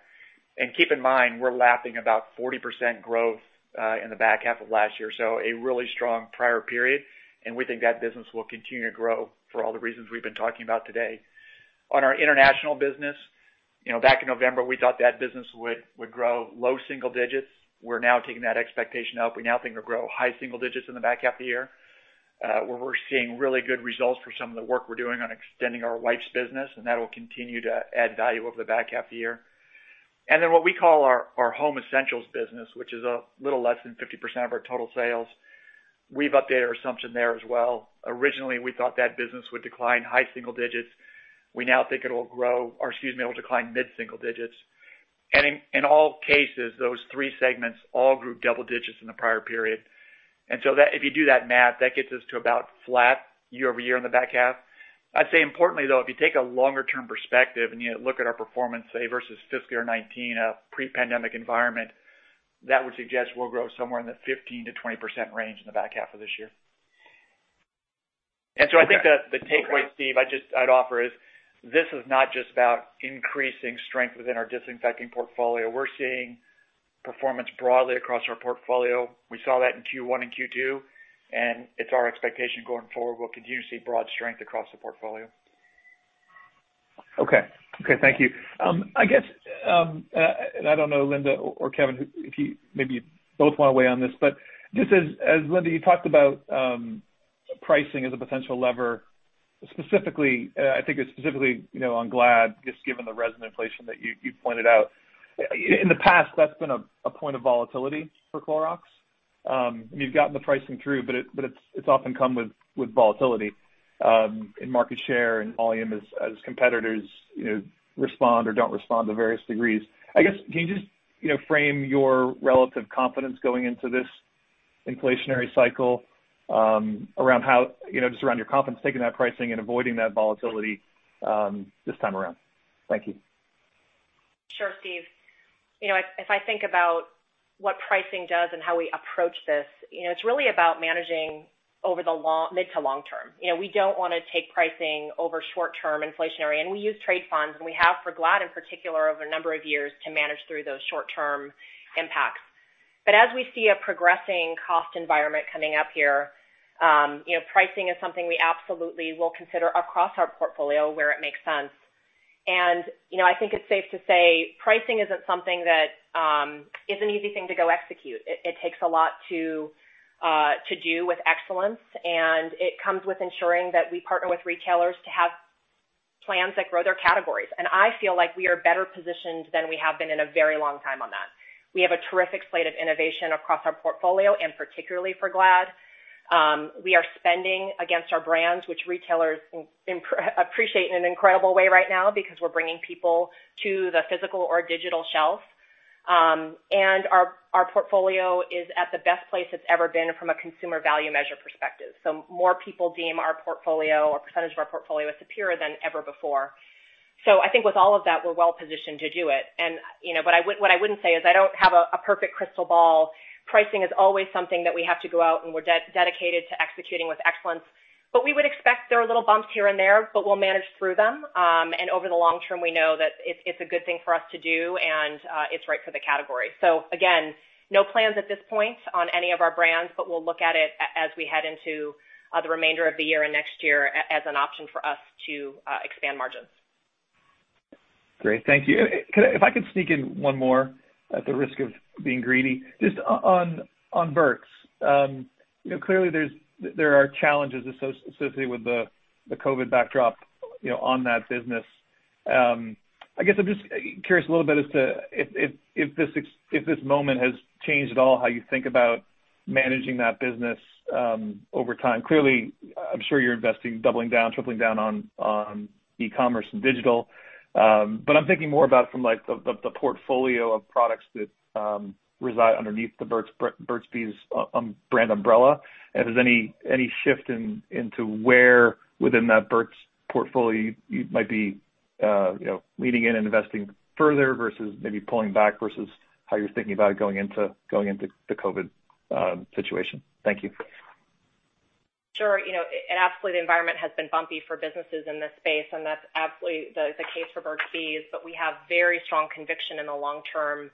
Keep in mind, we're lapping about 40% growth in the back half of last year, so a really strong prior period. We think that business will continue to grow for all the reasons we've been talking about today. On our international business, back in November, we thought that business would grow low single digits. We're now taking that expectation up. We now think it'll grow high single digits in the back half of the year. We're seeing really good results for some of the work we're doing on extending our wipes business, and that will continue to add value over the back half of the year. What we call our home essentials business, which is a little less than 50% of our total sales, we've updated our assumption there as well. Originally, we thought that business would decline high single digits. We now think it'll grow, or excuse me, it'll decline mid-single digits. In all cases, those three segments all grew double digits in the prior period. If you do that math, that gets us to about flat year over year in the back half. I'd say importantly, though, if you take a longer-term perspective and you look at our performance, say, versus fiscal year 2019, a pre-pandemic environment, that would suggest we'll grow somewhere in the 15%-20% range in the back half of this year. I think the takeaway, Steve, I'd offer is this is not just about increasing strength within our disinfecting portfolio. We're seeing performance broadly across our portfolio. We saw that in Q1 and Q2, and it's our expectation going forward. We'll continue to see broad strength across the portfolio. Okay. Okay. Thank you. I guess, and I don't know, Linda or Kevin, if you maybe both want to weigh on this, but just as Linda, you talked about pricing as a potential lever, specifically, I think it's specifically on Glad, just given the resin inflation that you pointed out. In the past, that's been a point of volatility for Clorox. And you've gotten the pricing through, but it's often come with volatility in market share and volume as competitors respond or don't respond to various degrees. I guess, can you just frame your relative confidence going into this inflationary cycle around how just around your confidence taking that pricing and avoiding that volatility this time around? Thank you. Sure, Steve. If I think about what pricing does and how we approach this, it's really about managing over the mid to long term. We don't want to take pricing over short-term inflationary. We use trade funds, and we have for Glad in particular over a number of years to manage through those short-term impacts. As we see a progressing cost environment coming up here, pricing is something we absolutely will consider across our portfolio where it makes sense. I think it's safe to say pricing isn't something that is an easy thing to go execute. It takes a lot to do with excellence, and it comes with ensuring that we partner with retailers to have plans that grow their categories. I feel like we are better positioned than we have been in a very long time on that. We have a terrific slate of innovation across our portfolio, and particularly for Glad. We are spending against our brands, which retailers appreciate in an incredible way right now because we're bringing people to the physical or digital shelf. Our portfolio is at the best place it's ever been from a consumer value measure perspective. More people deem our portfolio or percentage of our portfolio as superior than ever before. I think with all of that, we're well positioned to do it. What I wouldn't say is I don't have a perfect crystal ball. Pricing is always something that we have to go out, and we're dedicated to executing with excellence. We would expect there are little bumps here and there, but we'll manage through them. Over the long term, we know that it's a good thing for us to do, and it's right for the category. Again, no plans at this point on any of our brands, but we'll look at it as we head into the remainder of the year and next year as an option for us to expand margins. Great. Thank you. If I could sneak in one more at the risk of being greedy, just on Burt's. Clearly, there are challenges associated with the COVID backdrop on that business. I guess I'm just curious a little bit as to if this moment has changed at all how you think about managing that business over time. Clearly, I'm sure you're investing, doubling down, tripling down on e-commerce and digital. I'm thinking more about from the portfolio of products that reside underneath the Burt's brand umbrella. If there's any shift into where within that Burt's portfolio you might be leaning in and investing further versus maybe pulling back versus how you're thinking about it going into the COVID situation? Thank you. Sure. Absolutely, the environment has been bumpy for businesses in this space, and that's absolutely the case for Burt's Bees. We have very strong conviction in the long-term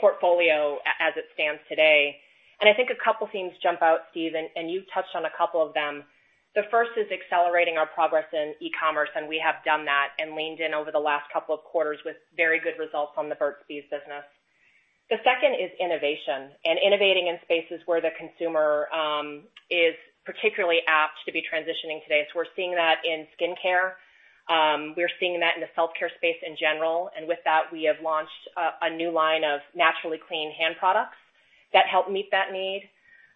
portfolio as it stands today. I think a couple of themes jump out, Steve, and you touched on a couple of them. The first is accelerating our progress in e-commerce, and we have done that and leaned in over the last couple of quarters with very good results on the Burt's Bees business. The second is innovation and innovating in spaces where the consumer is particularly apt to be transitioning today. We are seeing that in skincare. We are seeing that in the self-care space in general. With that, we have launched a new line of naturally clean hand products that help meet that need.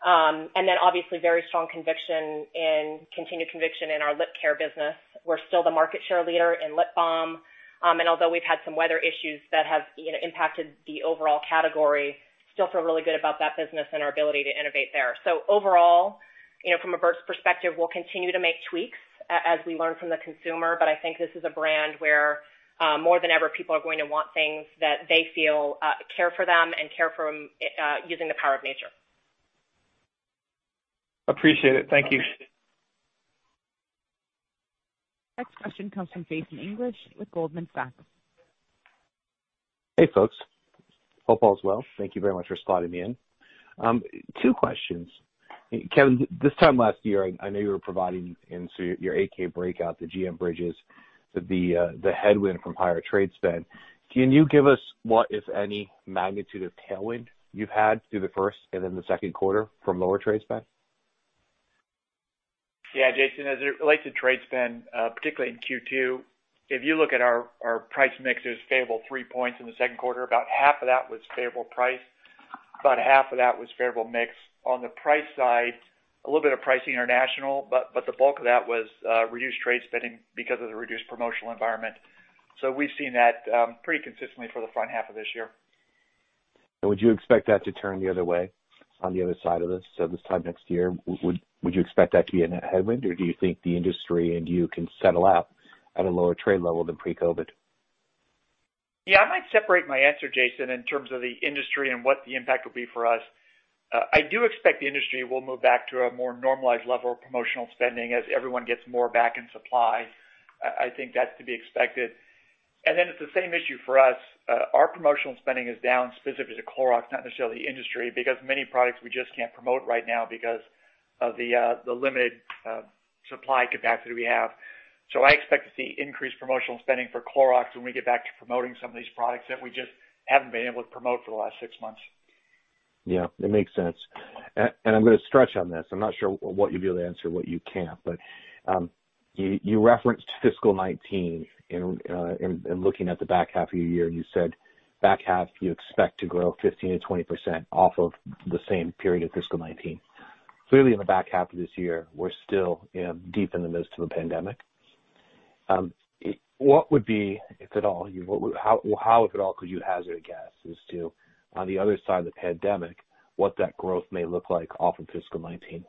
Obviously, very strong conviction and continued conviction in our lip care business. We're still the market share leader in lip balm. Although we've had some weather issues that have impacted the overall category, still feel really good about that business and our ability to innovate there. Overall, from a Burt's perspective, we'll continue to make tweaks as we learn from the consumer. I think this is a brand where more than ever, people are going to want things that they feel care for them and care for using the power of nature. Appreciate it. Thank you. Next question comes from Jason English with Goldman Sachs. Hey, folks. Hope all is well. Thank you very much for sliding me in. Two questions. Kevin, this time last year, I know you were providing into your AK breakout, the GM Bridges, the headwind from higher trade spend. Can you give us what, if any, magnitude of tailwind you've had through the first and then the second quarter from lower trade spend? Yeah. Jason, as it relates to trade spend, particularly in Q2, if you look at our price mix, there's favorable three points in the second quarter. About half of that was favorable price. About half of that was favorable mix. On the price side, a little bit of pricing international, but the bulk of that was reduced trade spending because of the reduced promotional environment. We've seen that pretty consistently for the front half of this year. Would you expect that to turn the other way on the other side of this? This time next year, would you expect that to be a headwind, or do you think the industry and you can settle out at a lower trade level than pre-COVID? Yeah. I might separate my answer, Jason, in terms of the industry and what the impact will be for us. I do expect the industry will move back to a more normalized level of promotional spending as everyone gets more back in supply. I think that's to be expected. It is the same issue for us. Our promotional spending is down specifically to Clorox, not necessarily the industry, because many products we just can't promote right now because of the limited supply capacity we have. I expect to see increased promotional spending for Clorox when we get back to promoting some of these products that we just haven't been able to promote for the last six months. Yeah. It makes sense. I'm going to stretch on this. I'm not sure what you'll be able to answer, what you can't, but you referenced fiscal 2019 and looking at the back half of your year, and you said back half, you expect to grow 15%-20% off of the same period of fiscal 2019. Clearly, in the back half of this year, we're still deep in the midst of a pandemic. What would be, if at all, how, if at all, could you hazard a guess as to, on the other side of the pandemic, what that growth may look like off of fiscal 2019?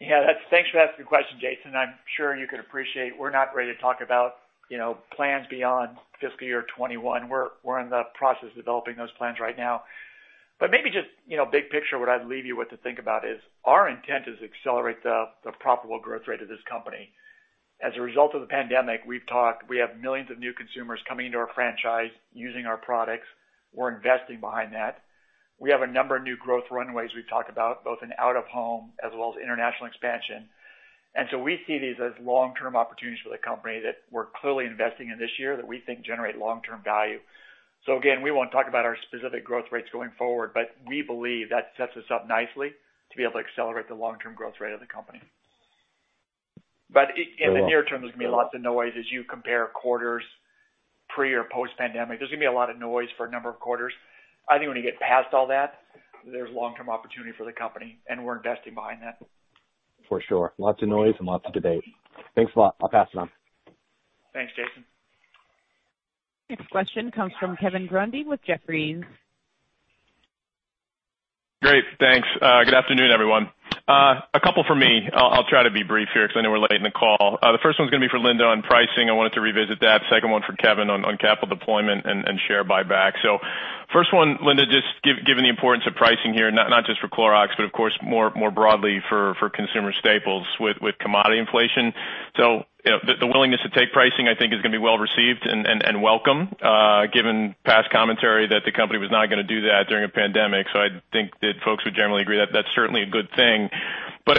Yeah. Thanks for asking the question, Jason. I'm sure you could appreciate we're not ready to talk about plans beyond fiscal year 2021. We're in the process of developing those plans right now. Maybe just big picture, what I'd leave you with to think about is our intent is to accelerate the profitable growth rate of this company. As a result of the pandemic, we've talked we have millions of new consumers coming into our franchise using our products. We're investing behind that. We have a number of new growth runways we've talked about, both in out-of-home as well as international expansion. We see these as long-term opportunities for the company that we're clearly investing in this year that we think generate long-term value. Again, we won't talk about our specific growth rates going forward, but we believe that sets us up nicely to be able to accelerate the long-term growth rate of the company. In the near term, there's going to be lots of noise as you compare quarters pre or post-pandemic. There's going to be a lot of noise for a number of quarters. I think when you get past all that, there's long-term opportunity for the company, and we're investing behind that. For sure. Lots of noise and lots of debate. Thanks a lot. I'll pass it on. Thanks, Jason. Next question comes from Kevin Grundy with Jefferies. Great. Thanks. Good afternoon, everyone. A couple for me. I'll try to be brief here because I know we're late in the call. The first one's going to be for Linda on pricing. I wanted to revisit that. Second one for Kevin on capital deployment and share buyback. First one, Linda, just given the importance of pricing here, not just for Clorox, but of course, more broadly for consumer staples with commodity inflation. The willingness to take pricing, I think, is going to be well received and welcome given past commentary that the company was not going to do that during a pandemic. I think that folks would generally agree that that's certainly a good thing.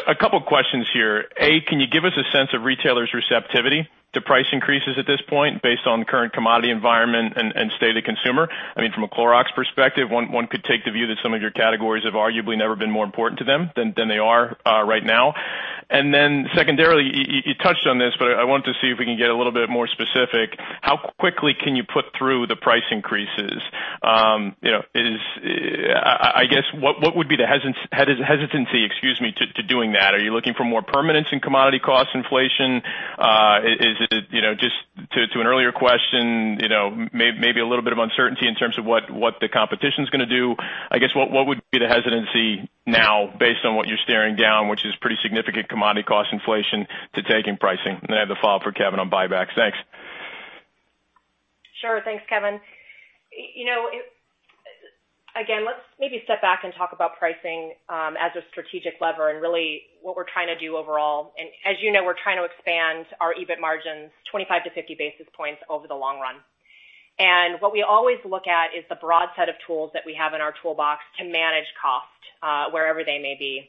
A couple of questions here. Can you give us a sense of retailers' receptivity to price increases at this point based on the current commodity environment and state of the consumer? I mean, from a Clorox perspective, one could take the view that some of your categories have arguably never been more important to them than they are right now. Secondarily, you touched on this, but I wanted to see if we can get a little bit more specific. How quickly can you put through the price increases? I guess, what would be the hesitancy, excuse me, to doing that? Are you looking for more permanence in commodity cost inflation? Is it just to an earlier question, maybe a little bit of uncertainty in terms of what the competition is going to do? I guess, what would be the hesitancy now based on what you're staring down, which is pretty significant commodity cost inflation, to taking pricing? I have the follow-up for Kevin on buybacks. Thanks. Sure. Thanks, Kevin. Again, let's maybe step back and talk about pricing as a strategic lever and really what we're trying to do overall. As you know, we're trying to expand our EBIT margins 25-50 basis points over the long run. What we always look at is the broad set of tools that we have in our toolbox to manage cost wherever they may be.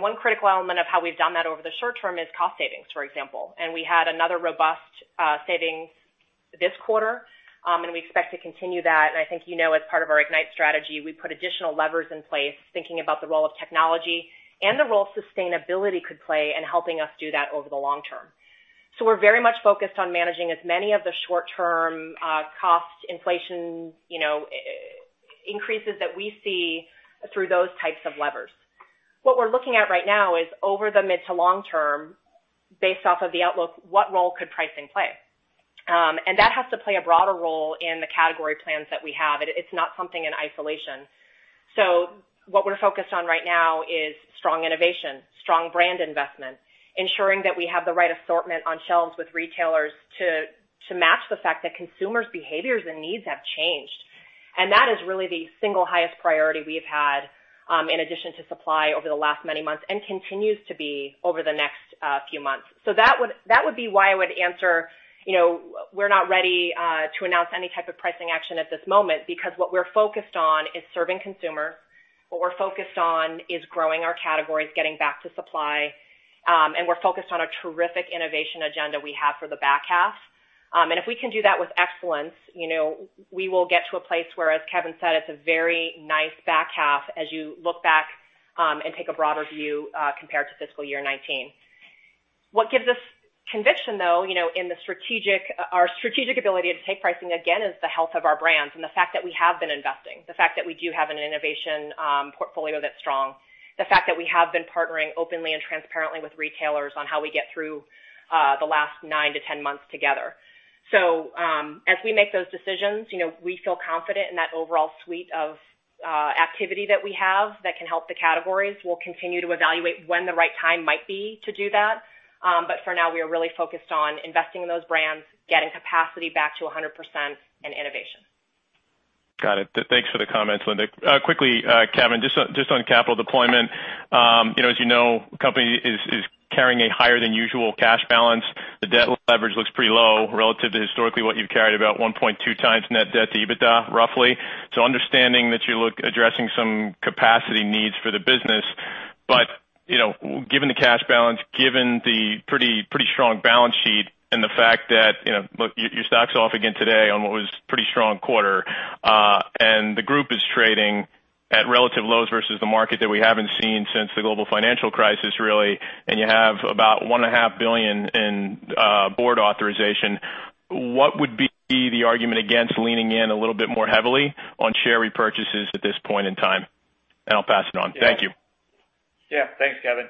One critical element of how we've done that over the short term is cost savings, for example. We had another robust savings this quarter, and we expect to continue that. I think you know, as part of our Ignite strategy, we put additional levers in place, thinking about the role of technology and the role sustainability could play in helping us do that over the long term. We're very much focused on managing as many of the short-term cost inflation increases that we see through those types of levers. What we're looking at right now is over the mid to long term, based off of the outlook, what role could pricing play? That has to play a broader role in the category plans that we have. It's not something in isolation. What we're focused on right now is strong innovation, strong brand investment, ensuring that we have the right assortment on shelves with retailers to match the fact that consumers' behaviors and needs have changed. That is really the single highest priority we've had in addition to supply over the last many months and continues to be over the next few months. That would be why I would answer we're not ready to announce any type of pricing action at this moment because what we're focused on is serving consumers. What we're focused on is growing our categories, getting back to supply. We're focused on a terrific innovation agenda we have for the back half. If we can do that with excellence, we will get to a place where, as Kevin said, it's a very nice back half as you look back and take a broader view compared to fiscal year 2019. What gives us conviction, though, in our strategic ability to take pricing again is the health of our brands and the fact that we have been investing, the fact that we do have an innovation portfolio that's strong, the fact that we have been partnering openly and transparently with retailers on how we get through the last nine to 10 months together. As we make those decisions, we feel confident in that overall suite of activity that we have that can help the categories. We'll continue to evaluate when the right time might be to do that. For now, we are really focused on investing in those brands, getting capacity back to 100%, and innovation. Got it. Thanks for the comments, Linda. Quickly, Kevin, just on capital deployment. As you know, the company is carrying a higher than usual cash balance. The debt leverage looks pretty low relative to historically what you've carried, about 1.2 times net debt to EBITDA, roughly. I understand that you're addressing some capacity needs for the business. Given the cash balance, given the pretty strong balance sheet, and the fact that your stock's off again today on what was a pretty strong quarter, and the group is trading at relative lows versus the market that we haven't seen since the global financial crisis, really, and you have about $1.5 billion in board authorization, what would be the argument against leaning in a little bit more heavily on share repurchases at this point in time? I'll pass it on. Thank you. Yeah. Thanks, Kevin.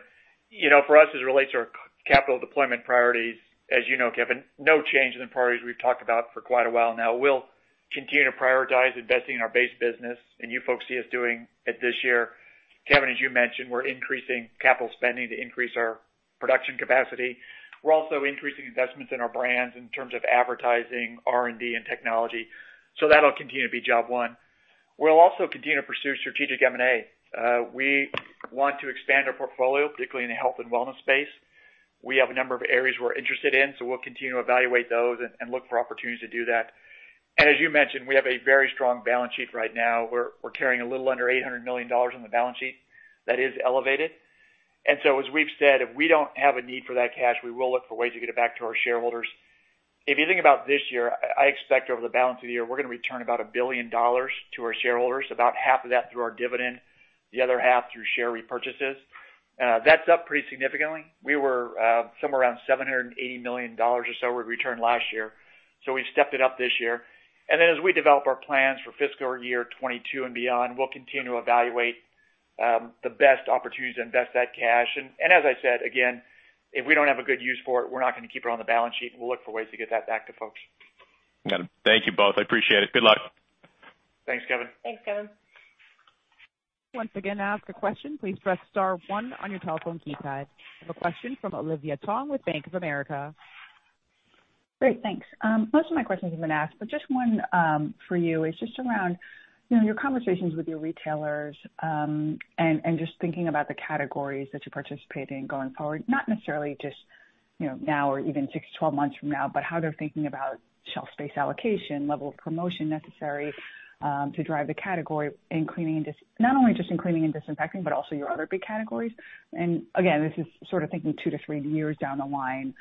For us, as it relates to our capital deployment priorities, as you know, Kevin, no change in the priorities we've talked about for quite a while now. We'll continue to prioritize investing in our base business, and you folks see us doing it this year. Kevin, as you mentioned, we're increasing capital spending to increase our production capacity. We're also increasing investments in our brands in terms of advertising, R&D, and technology. That'll continue to be job one. We'll also continue to pursue strategic M&A. We want to expand our portfolio, particularly in the health and wellness space. We have a number of areas we're interested in, so we'll continue to evaluate those and look for opportunities to do that. As you mentioned, we have a very strong balance sheet right now. We're carrying a little under $800 million on the balance sheet that is elevated. As we've said, if we don't have a need for that cash, we will look for ways to get it back to our shareholders. If you think about this year, I expect over the balance of the year, we're going to return about $1 billion to our shareholders, about half of that through our dividend, the other half through share repurchases. That's up pretty significantly. We were somewhere around $780 million or so we returned last year. We've stepped it up this year. As we develop our plans for fiscal year 2022 and beyond, we'll continue to evaluate the best opportunities to invest that cash. As I said, again, if we don't have a good use for it, we're not going to keep it on the balance sheet. We'll look for ways to get that back to folks. Got it. Thank you both. I appreciate it. Good luck. Thanks, Kevin. Thanks, Kevin. Once again, to ask a question, please press star one on your telephone keypad. We have a question from Olivia Tong with Bank of America. Great. Thanks. Most of my questions have been asked, but just one for you is just around your conversations with your retailers and just thinking about the categories that you're participating in going forward, not necessarily just now or even six to 12 months from now, but how they're thinking about shelf space allocation, level of promotion necessary to drive the category, and not only just in cleaning and disinfecting, but also your other big categories. This is sort of thinking two to three years down the line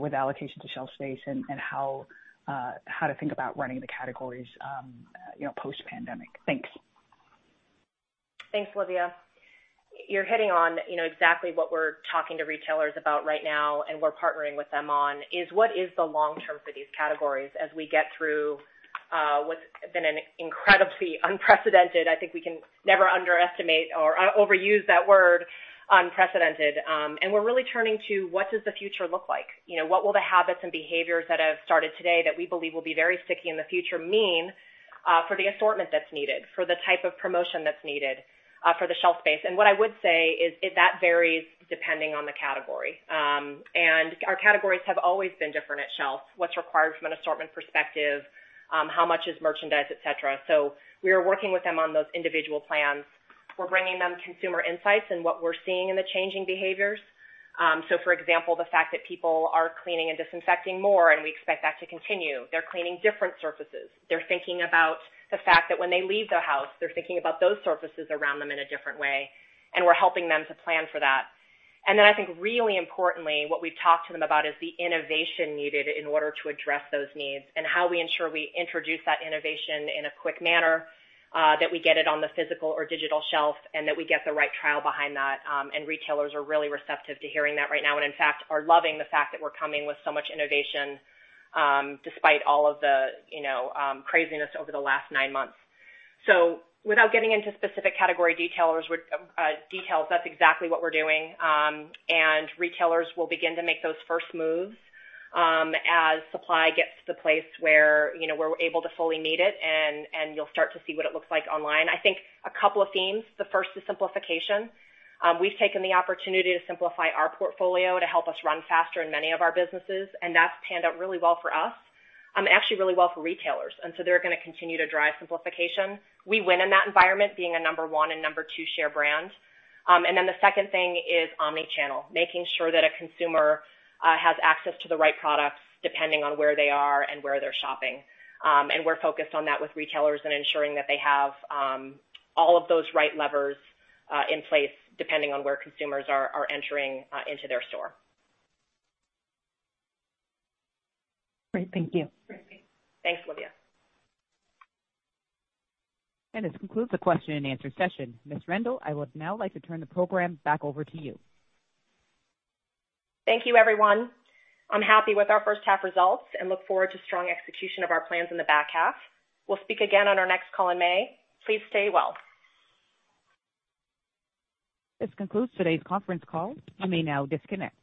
with allocation to shelf space and how to think about running the categories post-pandemic. Thanks. Thanks, Olivia. You're hitting on exactly what we're talking to retailers about right now and we're partnering with them on is what is the long term for these categories as we get through what's been an incredibly unprecedented—I think we can never underestimate or overuse that word—unprecedented. We're really turning to what does the future look like? What will the habits and behaviors that have started today that we believe will be very sticky in the future mean for the assortment that's needed, for the type of promotion that's needed for the shelf space? What I would say is that varies depending on the category. Our categories have always been different at shelf. What's required from an assortment perspective? How much is merchandise, etc.? We are working with them on those individual plans. We're bringing them consumer insights and what we're seeing in the changing behaviors. For example, the fact that people are cleaning and disinfecting more, and we expect that to continue. They're cleaning different surfaces. They're thinking about the fact that when they leave the house, they're thinking about those surfaces around them in a different way. We're helping them to plan for that. I think, really importantly, what we've talked to them about is the innovation needed in order to address those needs and how we ensure we introduce that innovation in a quick manner, that we get it on the physical or digital shelf, and that we get the right trial behind that. Retailers are really receptive to hearing that right now and, in fact, are loving the fact that we're coming with so much innovation despite all of the craziness over the last nine months. Without getting into specific category details, that's exactly what we're doing. Retailers will begin to make those first moves as supply gets to the place where we're able to fully meet it, and you'll start to see what it looks like online. I think a couple of themes. The first is simplification. We've taken the opportunity to simplify our portfolio to help us run faster in many of our businesses, and that's panned out really well for us and actually really well for retailers. They're going to continue to drive simplification. We win in that environment being a number one and number two share brand. The second thing is omnichannel, making sure that a consumer has access to the right products depending on where they are and where they're shopping. We're focused on that with retailers and ensuring that they have all of those right levers in place depending on where consumers are entering into their store. Great. Thank you. Thanks, Olivia. This concludes the question and answer session. Ms. Rendle, I would now like to turn the program back over to you. Thank you, everyone. I'm happy with our first half results and look forward to strong execution of our plans in the back half. We'll speak again on our next call in May. Please stay well. This concludes today's conference call. You may now disconnect.